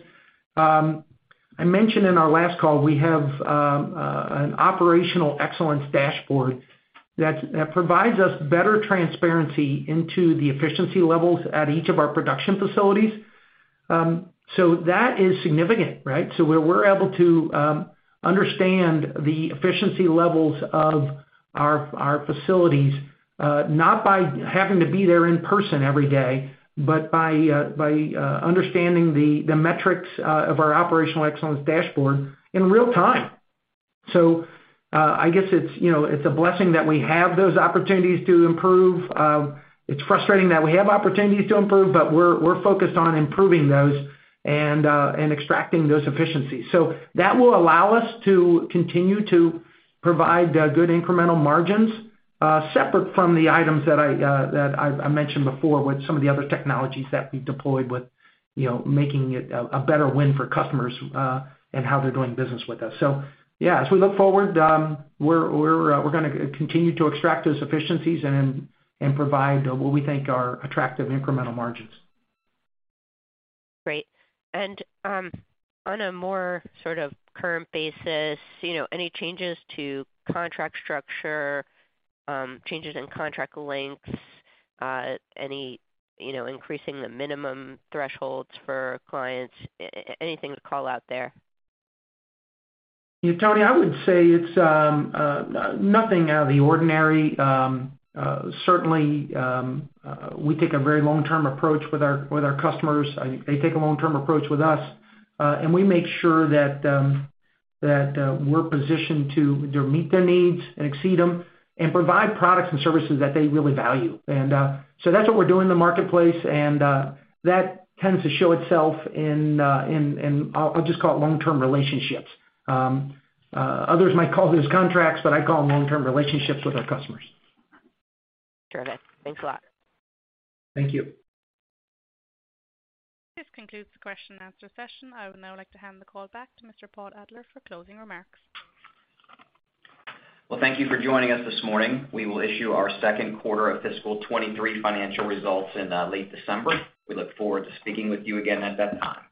I mentioned in our last call, we have an operational excellence dashboard that provides us better transparency into the efficiency levels at each of our production facilities. That is significant, right? We're able to understand the efficiency levels of our facilities, not by having to be there in person every day, but by understanding the metrics of our operational excellence dashboard in real time. I guess it's, you know, it's a blessing that we have those opportunities to improve. It's frustrating that we have opportunities to improve, but we're focused on improving those and extracting those efficiencies. That will allow us to continue to provide good incremental margins separate from the items that I mentioned before with some of the other technologies that we deployed with, you know, making it a better win for customers and how they're doing business with us. Yeah, as we look forward, we're gonna continue to extract those efficiencies and provide what we think are attractive incremental margins. Great. On a more sort of current basis, you know, any changes to contract structure, changes in contract lengths, any, you know, increasing the minimum thresholds for clients, anything to call out there? Yeah, Toni, I would say it's nothing out of the ordinary. Certainly, we take a very long-term approach with our customers. They take a long-term approach with us, and we make sure that we're positioned to meet their needs and exceed them and provide products and services that they really value. That's what we're doing in the marketplace, and that tends to show itself in I'll just call it long-term relationships. Others might call those contracts, but I call them long-term relationships with our customers. Terrific. Thanks a lot. Thank you. This concludes the question and answer session. I would now like to hand the call back to Mr. Paul Adler for closing remarks. Well, thank you for joining us this morning. We will issue our Q2 of fiscal 2023 financial results in late December. We look forward to speaking with you again at that time.